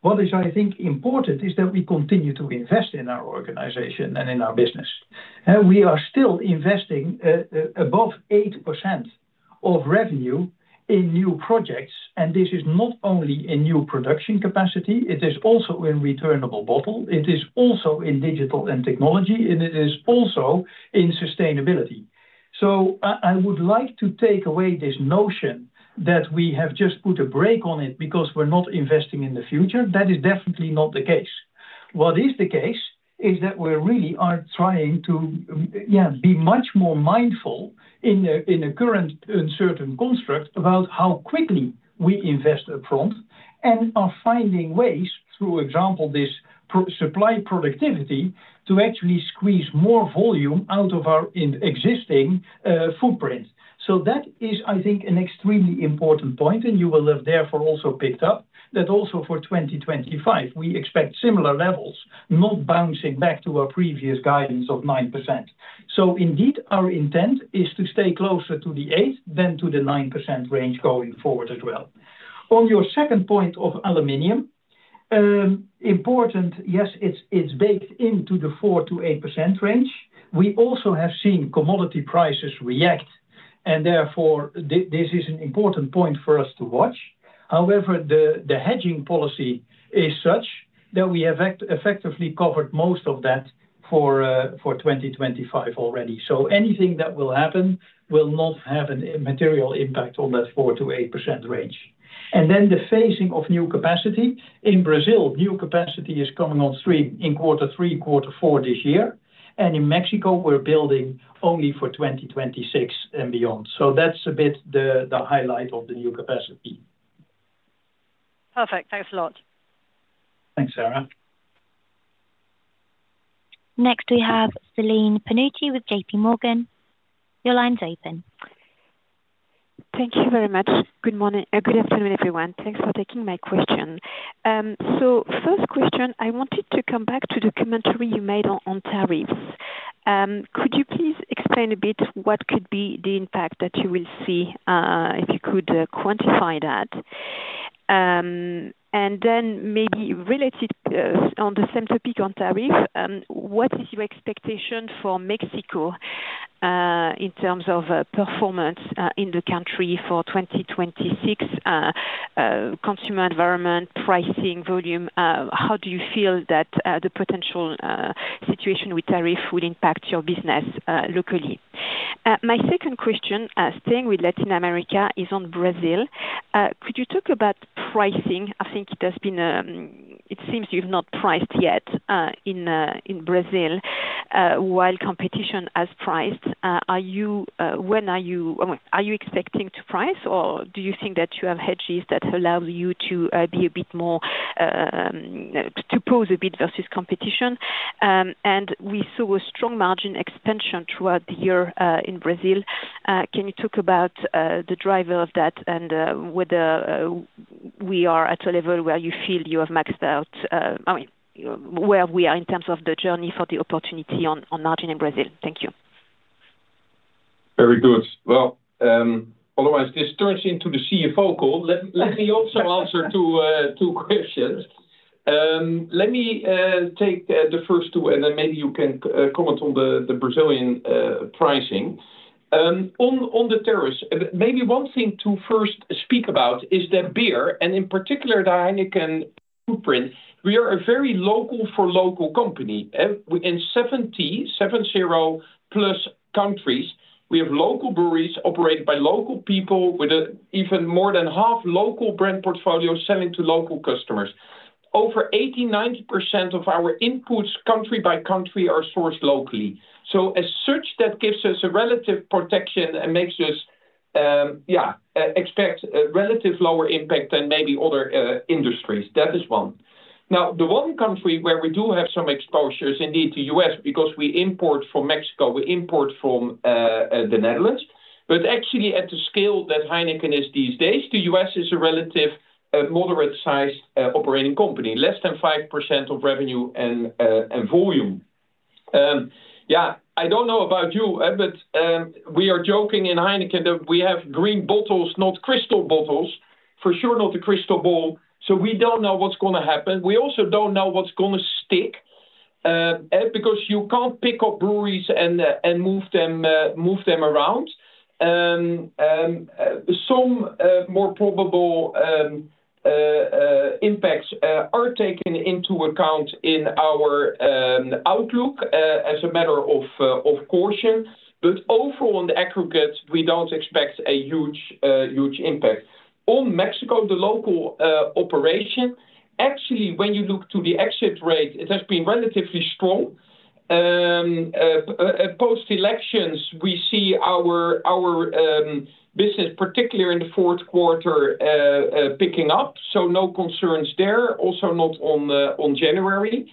Speaker 3: What is, I think, important is that we continue to invest in our organization and in our business. We are still investing above 8% of revenue in new projects, and this is not only in new production capacity. It is also in returnable bottle. It is also in digital and technology, and it is also in sustainability. So I would like to take away this notion that we have just put a brake on it because we're not investing in the future. That is definitely not the case. What is the case is that we really are trying to be much more mindful in a current uncertain context about how quickly we invest upfront and are finding ways, for example, this supply productivity to actually squeeze more volume out of our existing footprint. So that is, I think, an extremely important point, and you will have therefore also picked up that also for 2025, we expect similar levels, not bouncing back to our previous guidance of 9%. So indeed, our intent is to stay closer to the 8% than to the 9% range going forward as well. On your second point of aluminum, important, yes, it's baked into the 4%-8% range. We also have seen commodity prices react, and therefore, this is an important point for us to watch. However, the hedging policy is such that we have effectively covered most of that for 2025 already. So anything that will happen will not have an immaterial impact on that 4%-8% range. And then the phasing of new capacity in Brazil, new capacity is coming on stream in quarter three, quarter four this year. And in Mexico, we're building only for 2026 and beyond. So that's a bit the highlight of the new capacity.
Speaker 8: Perfect. Thanks a lot.
Speaker 2: Thanks, Sarah.
Speaker 4: Next, we have Celine Pannuti with JPMorgan. Your line's open.
Speaker 9: Thank you very much. Good afternoon, everyone. Thanks for taking my question. So first question, I wanted to come back to the commentary you made on tariffs. Could you please explain a bit what could be the impact that you will see if you could quantify that? And then maybe related on the same topic on tariff, what is your expectation for Mexico in terms of performance in the country for 2026? Consumer environment, pricing, volume, how do you feel that the potential situation with tariffs will impact your business locally? My second question, staying with Latin America, is on Brazil. Could you talk about pricing? I think it seems you've not priced yet in Brazil while competition has priced. When are you expecting to price, or do you think that you have hedges that allow you to be a bit more composed versus competition? We saw a strong margin expansion throughout the year in Brazil. Can you talk about the driver of that and whether we are at a level where you feel you have maxed out, I mean, where we are in terms of the journey for the opportunity on margin in Brazil? Thank you.
Speaker 2: Very good. Otherwise, this turns into the CFO call. Let me also answer two questions. Let me take the first two, and then maybe you can comment on the Brazilian pricing. On the tariffs, maybe one thing to first speak about is that beer, and in particular, the Heineken footprint, we are a very local-for-local company. In 70, 70-plus countries, we have local breweries operated by local people with even more than half local brand portfolios selling to local customers. Over 80%-90% of our inputs country by country are sourced locally. So as such, that gives us a relative protection and makes us, yeah, expect a relative lower impact than maybe other industries. That is one. Now, the one country where we do have some exposure is indeed the U.S. because we import from Mexico. We import from the Netherlands. But actually, at the scale that Heineken is these days, the U.S. is a relative moderate-sized operating company, less than 5% of revenue and volume. Yeah, I don't know about you, but we are joking in Heineken that we have green bottles, not crystal bottles, for sure, not a crystal ball. So we don't know what's going to happen. We also don't know what's going to stick because you can't pick up breweries and move them around. Some more probable impacts are taken into account in our outlook as a matter of caution. But overall, in the aggregate, we don't expect a huge impact. On Mexico, the local operation, actually, when you look to the exit rate, it has been relatively strong. Post-elections, we see our business, particularly in the fourth quarter, picking up. So no concerns there. Also not on January.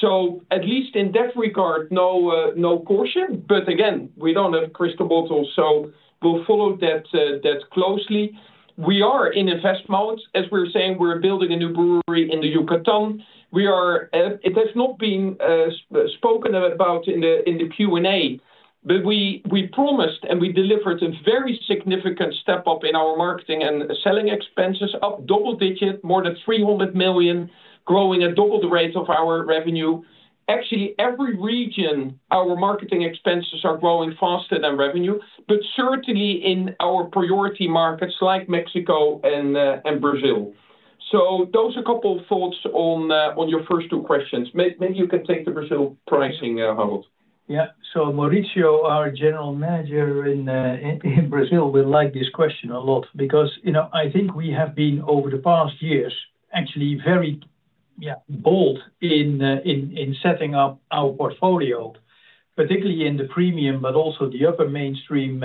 Speaker 2: So at least in that regard, no caution. But again, we don't have a crystal ball, so we'll follow that closely. We are in investments. As we're saying, we're building a new brewery in the Yucatán. It has not been spoken about in the Q&A, but we promised and we delivered a very significant step up in our marketing and selling expenses, up double-digit, more than 300 million, growing at double the rate of our revenue. Actually, every region, our marketing expenses are growing faster than revenue, but certainly in our priority markets like Mexico and Brazil. So those are a couple of thoughts on your first two questions. Maybe you can take the Brazil pricing, Harold.
Speaker 3: Yeah. So Mauricio, our General Manager in Brazil, would like this question a lot because I think we have been, over the past years, actually very bold in setting up our portfolio, particularly in the premium, but also the upper mainstream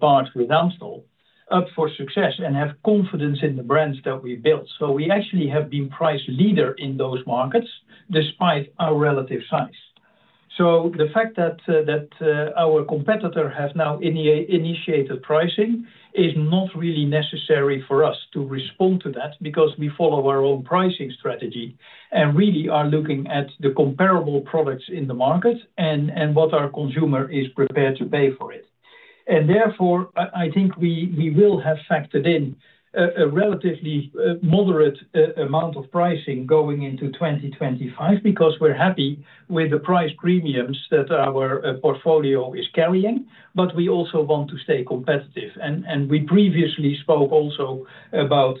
Speaker 3: part with Amstel up for success and have confidence in the brands that we built. So we actually have been price leaders in those markets despite our relative size. So the fact that our competitor has now initiated pricing is not really necessary for us to respond to that because we follow our own pricing strategy and really are looking at the comparable products in the market and what our consumer is prepared to pay for it. Therefore, I think we will have factored in a relatively moderate amount of pricing going into 2025 because we're happy with the price premiums that our portfolio is carrying, but we also want to stay competitive. We previously spoke also about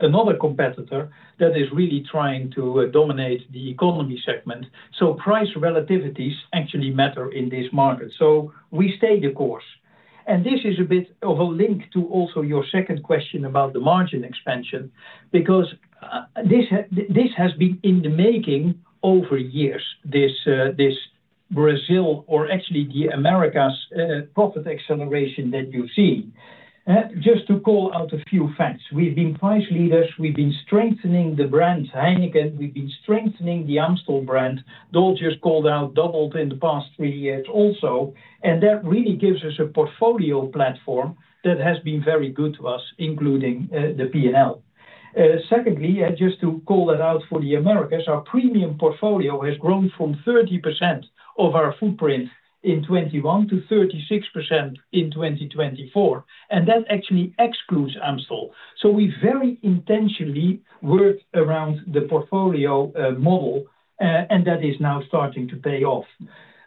Speaker 3: another competitor that is really trying to dominate the economy segment. Price relativities actually matter in this market. We stay the course. This is a bit of a link to also your second question about the margin expansion because this has been in the making over years, this Brazil, or actually the Americas profit acceleration that you've seen. Just to call out a few facts, we've been price leaders. We've been strengthening the brand Heineken. We've been strengthening the Amstel brand. Dolf just called out doubled in the past three years also. And that really gives us a portfolio platform that has been very good to us, including the P&L. Secondly, just to call that out for the Americas, our premium portfolio has grown from 30% of our footprint in 2021 to 36% in 2024. And that actually excludes Amstel. So we very intentionally worked around the portfolio model, and that is now starting to pay off.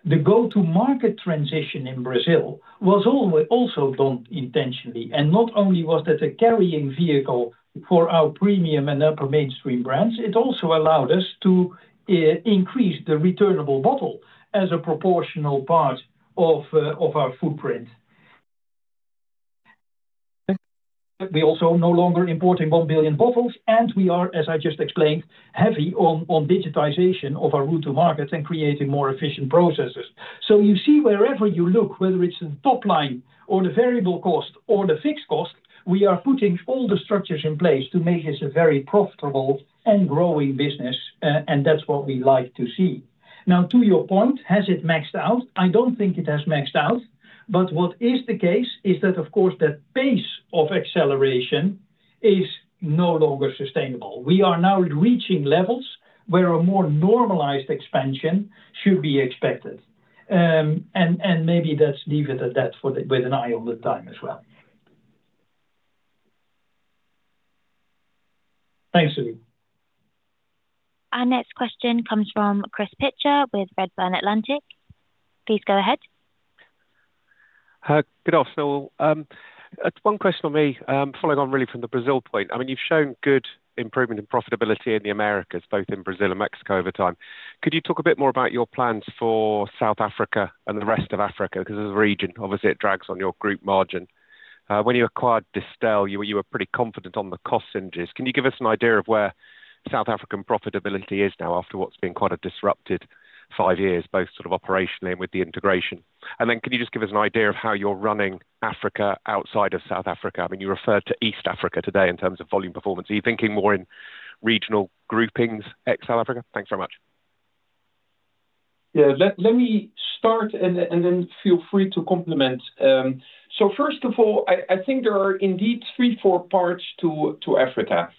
Speaker 3: The go-to-market transition in Brazil was also done intentionally. And not only was that a carrying vehicle for our premium and upper mainstream brands, it also allowed us to increase the returnable bottle as a proportional part of our footprint. We also are no longer importing 1 billion bottles, and we are, as I just explained, heavy on digitization of our route to markets and creating more efficient processes. So you see, wherever you look, whether it's the top line or the variable cost or the fixed cost, we are putting all the structures in place to make this a very profitable and growing business, and that's what we like to see. Now, to your point, has it maxed out? I don't think it has maxed out. But what is the case is that, of course, the pace of acceleration is no longer sustainable. We are now reaching levels where a more normalized expansion should be expected. And maybe let's leave it at that with an eye on the time as well.
Speaker 2: Thanks, Celine.
Speaker 4: Our next question comes from Chris Pitcher with Redburn Atlantic. Please go ahead.
Speaker 10: Good afternoon. One question for me, following on really from the Brazil point. I mean, you've shown good improvement in profitability in the Americas, both in Brazil and Mexico over time. Could you talk a bit more about your plans for South Africa and the rest of Africa? Because as a region, obviously, it drags on your group margin. When you acquired Distell, you were pretty confident on the cost industry. Can you give us an idea of where South African profitability is now after what's been quite a disrupted five years, both sort of operationally and with the integration? And then can you just give us an idea of how you're running Africa outside of South Africa? I mean, you referred to East Africa today in terms of volume performance. Are you thinking more in regional groupings, ex-South Africa? Thanks very much.
Speaker 2: Yeah, let me start and then feel free to complement. So first of all, I think there are indeed three, four parts to Africa.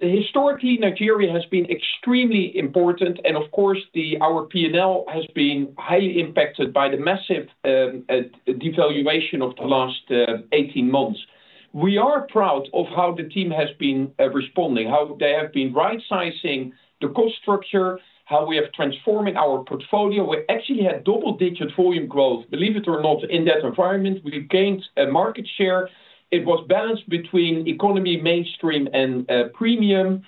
Speaker 2: Historically, Nigeria has been extremely important, and of course, our P&L has been highly impacted by the massive devaluation of the last 18 months. We are proud of how the team has been responding, how they have been right-sizing the cost structure, how we have transformed our portfolio. We actually had double-digit volume growth, believe it or not, in that environment. We gained a market share. It was balanced between economy, mainstream, and premium.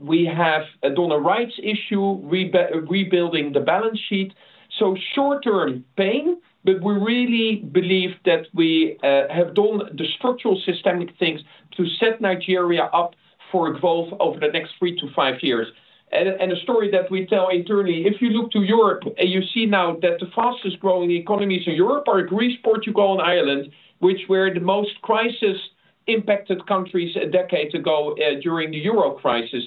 Speaker 2: We have done a rights issue, rebuilding the balance sheet, so short-term pain, but we really believe that we have done the structural systemic things to set Nigeria up for growth over the next three to five years. And the story that we tell internally, if you look to Europe, you see now that the fastest growing economies in Europe are Greece, Portugal, and Ireland, which were the most crisis-impacted countries a decade ago during the Euro crisis.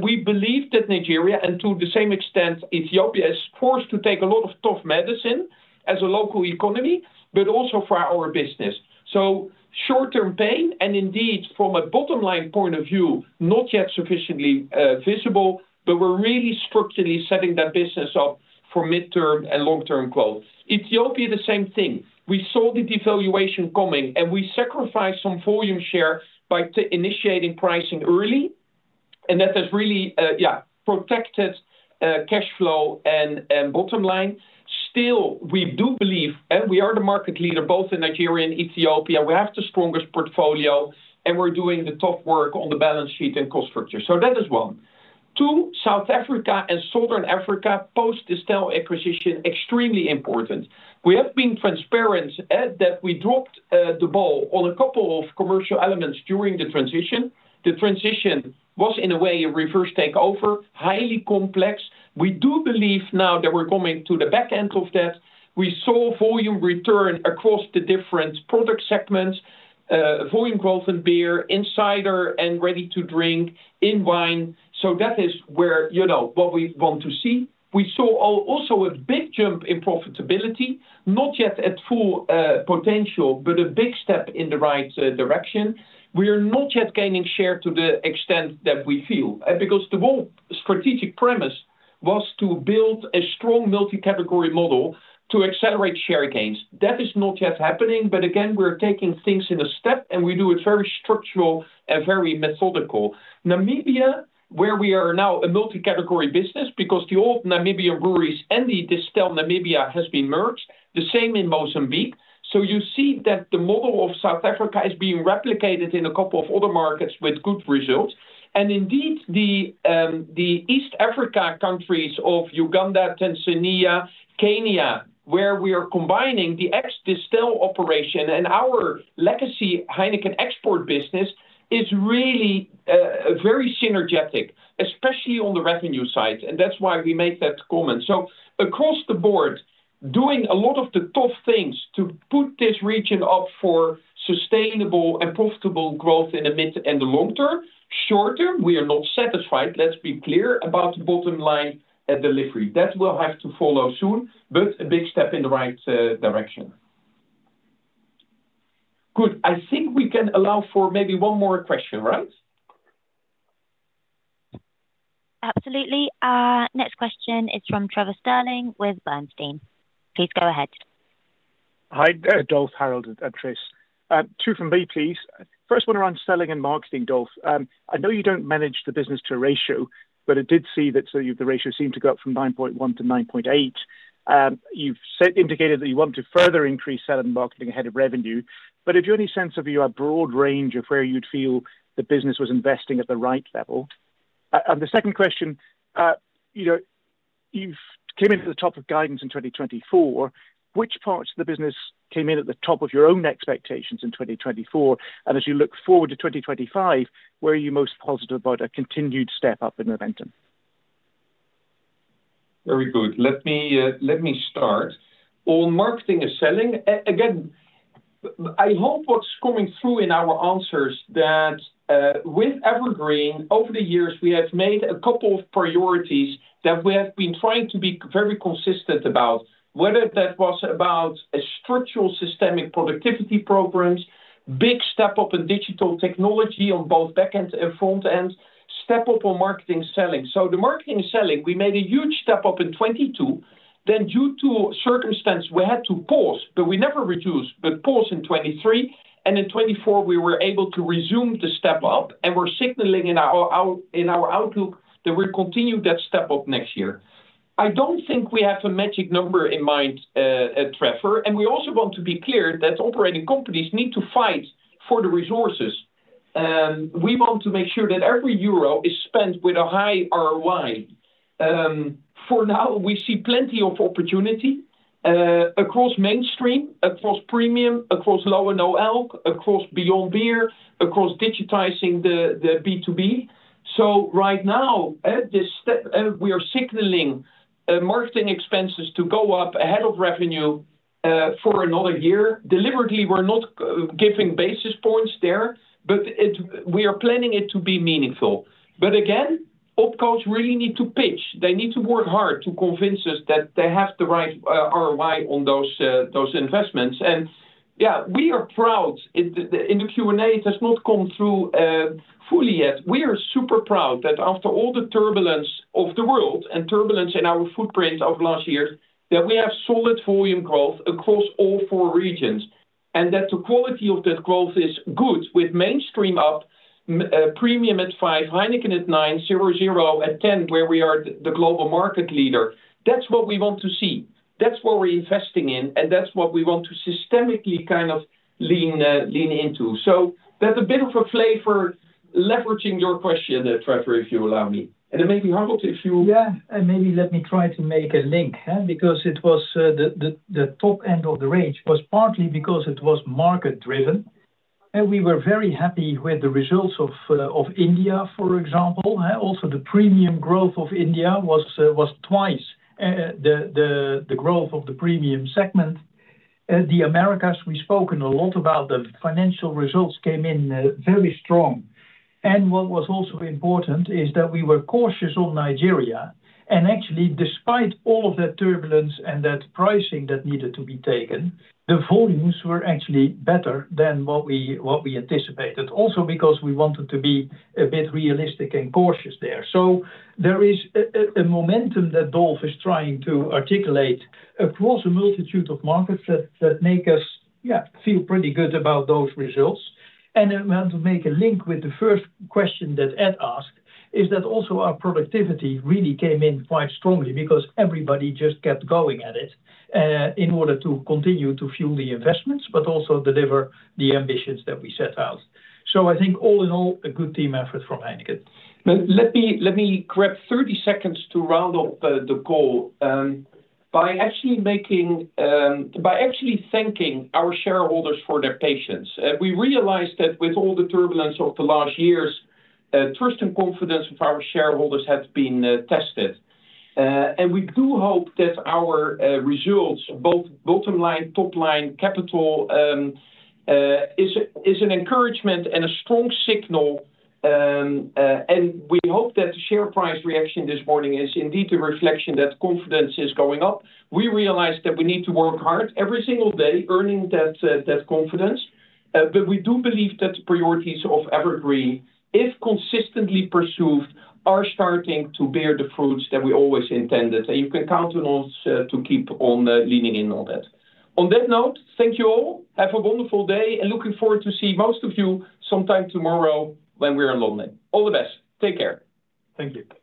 Speaker 2: We believe that Nigeria, and to the same extent, Ethiopia is forced to take a lot of tough medicine as a local economy, but also for our business. So short-term pain, and indeed, from a bottom-line point of view, not yet sufficiently visible, but we're really structurally setting that business up for mid-term and long-term growth. Ethiopia, the same thing. We saw the devaluation coming, and we sacrificed some volume share by initiating pricing early, and that has really, yeah, protected cash flow and bottom line. Still, we do believe, and we are the market leader both in Nigeria and Ethiopia. We have the strongest portfolio, and we're doing the tough work on the balance sheet and cost structure. So that is one. Two, South Africa and Southern Africa post-Distell acquisition, extremely important. We have been transparent that we dropped the ball on a couple of commercial elements during the transition. The transition was, in a way, a reverse takeover, highly complex. We do believe now that we're coming to the back end of that. We saw volume return across the different product segments, volume growth in beer, cider, and ready-to-drink in wine. So that is what we want to see. We saw also a big jump in profitability, not yet at full potential, but a big step in the right direction. We are not yet gaining share to the extent that we feel because the whole strategic premise was to build a strong multi-category model to accelerate share gains. That is not yet happening, but again, we're taking things in a step, and we do it very structural and very methodical. Namibia, where we are now a multi-category business because the old Namibian Breweries and the Distell Namibia has been merged, the same in Mozambique. So you see that the model of South Africa is being replicated in a couple of other markets with good results. And indeed, the East Africa countries of Uganda, Tanzania, Kenya, where we are combining the ex-Distell operation and our legacy Heineken export business is really very synergetic, especially on the revenue side. And that's why we make that comment. So across the board, doing a lot of the tough things to put this region up for sustainable and profitable growth in the mid and the long term. Short term, we are not satisfied. Let's be clear about the bottom line delivery. That will have to follow soon, but a big step in the right direction. Good. I think we can allow for maybe one more question, right?
Speaker 4: Absolutely. Next question is from Trevor Stirling with Bernstein. Please go ahead.
Speaker 11: Hi, Dolf, Harold, and Tris. Two from me, please. First one around selling and marketing, Dolf. I know you don't manage the business to ratio, but I did see that the ratio seemed to go up from 9.1 to 9.8. You've indicated that you want to further increase selling and marketing ahead of revenue. But did you have any sense of your broad range of where you'd feel the business was investing at the right level? And the second question, you've came into the top of guidance in 2024. Which parts of the business came in at the top of your own expectations in 2024? As you look forward to 2025, where are you most positive about a continued step up in momentum?
Speaker 2: Very good. Let me start. On marketing and selling, again, I hope what's coming through in our answers that with Evergreen, over the years, we have made a couple of priorities that we have been trying to be very consistent about, whether that was about structural systemic productivity programs, big step up in digital technology on both back-end and front-end, step up on marketing and selling. So the marketing and selling, we made a huge step up in 2022. Then, due to circumstance, we had to pause, but we never reduced, but paused in 2023. In 2024, we were able to resume the step up, and we're signaling in our outlook that we'll continue that step up next year. I don't think we have a magic number in mind, Trevor. We also want to be clear that operating companies need to fight for the resources. We want to make sure that every euro is spent with a high ROI. For now, we see plenty of opportunity across mainstream, across premium, across Low & No, across beyond beer, across digitizing the B2B. So right now, at this step, we are signaling marketing expenses to go up ahead of revenue for another year. Deliberately, we're not giving basis points there, but we are planning it to be meaningful. But again, OpCos really need to pitch. They need to work hard to convince us that they have the right ROI on those investments. And yeah, we are proud. In the Q&A, it has not come through fully yet. We are super proud that after all the turbulence of the world and turbulence in our footprint over the last years, that we have solid volume growth across all four regions and that the quality of that growth is good with mainstream up, premium at 5%, Heineken at 9%, zero-zero at 10%, where we are the global market leader. That's what we want to see. That's what we're investing in, and that's what we want to systematically kind of lean into. So that's a bit of a flavor, leveraging your question, Trevor, if you allow me. And it may be Harold if you—
Speaker 3: Yeah, and maybe let me try to make a link because it was the top end of the range was partly because it was market-driven. And we were very happy with the results of India, for example. Also, the premium growth of India was twice the growth of the premium segment. The Americas, we spoke a lot about the financial results came in very strong. And what was also important is that we were cautious on Nigeria. And actually, despite all of that turbulence and that pricing that needed to be taken, the volumes were actually better than what we anticipated, also because we wanted to be a bit realistic and cautious there. So there is a momentum that Dolf is trying to articulate across a multitude of markets that make us feel pretty good about those results. And to make a link with the first question that Ed asked is that also our productivity really came in quite strongly because everybody just kept going at it in order to continue to fuel the investments, but also deliver the ambitions that we set out. So I think all in all, a good team effort from Heineken. Let me grab 30 seconds to round up the call by actually thanking our shareholders for their patience. We realized that with all the turbulence of the last years, trust and confidence of our shareholders have been tested. And we do hope that our results, both bottom line, top line, capital, is an encouragement and a strong signal. And we hope that the share price reaction this morning is indeed the reflection that confidence is going up. We realized that we need to work hard every single day earning that confidence. But we do believe that the priorities of Evergreen, if consistently pursued, are starting to bear the fruits that we always intended. And you can count on us to keep on leaning in on that. On that note, thank you all. Have a wonderful day and looking forward to seeing most of you sometime tomorrow when we are in London. All the best. Take care. Thank you.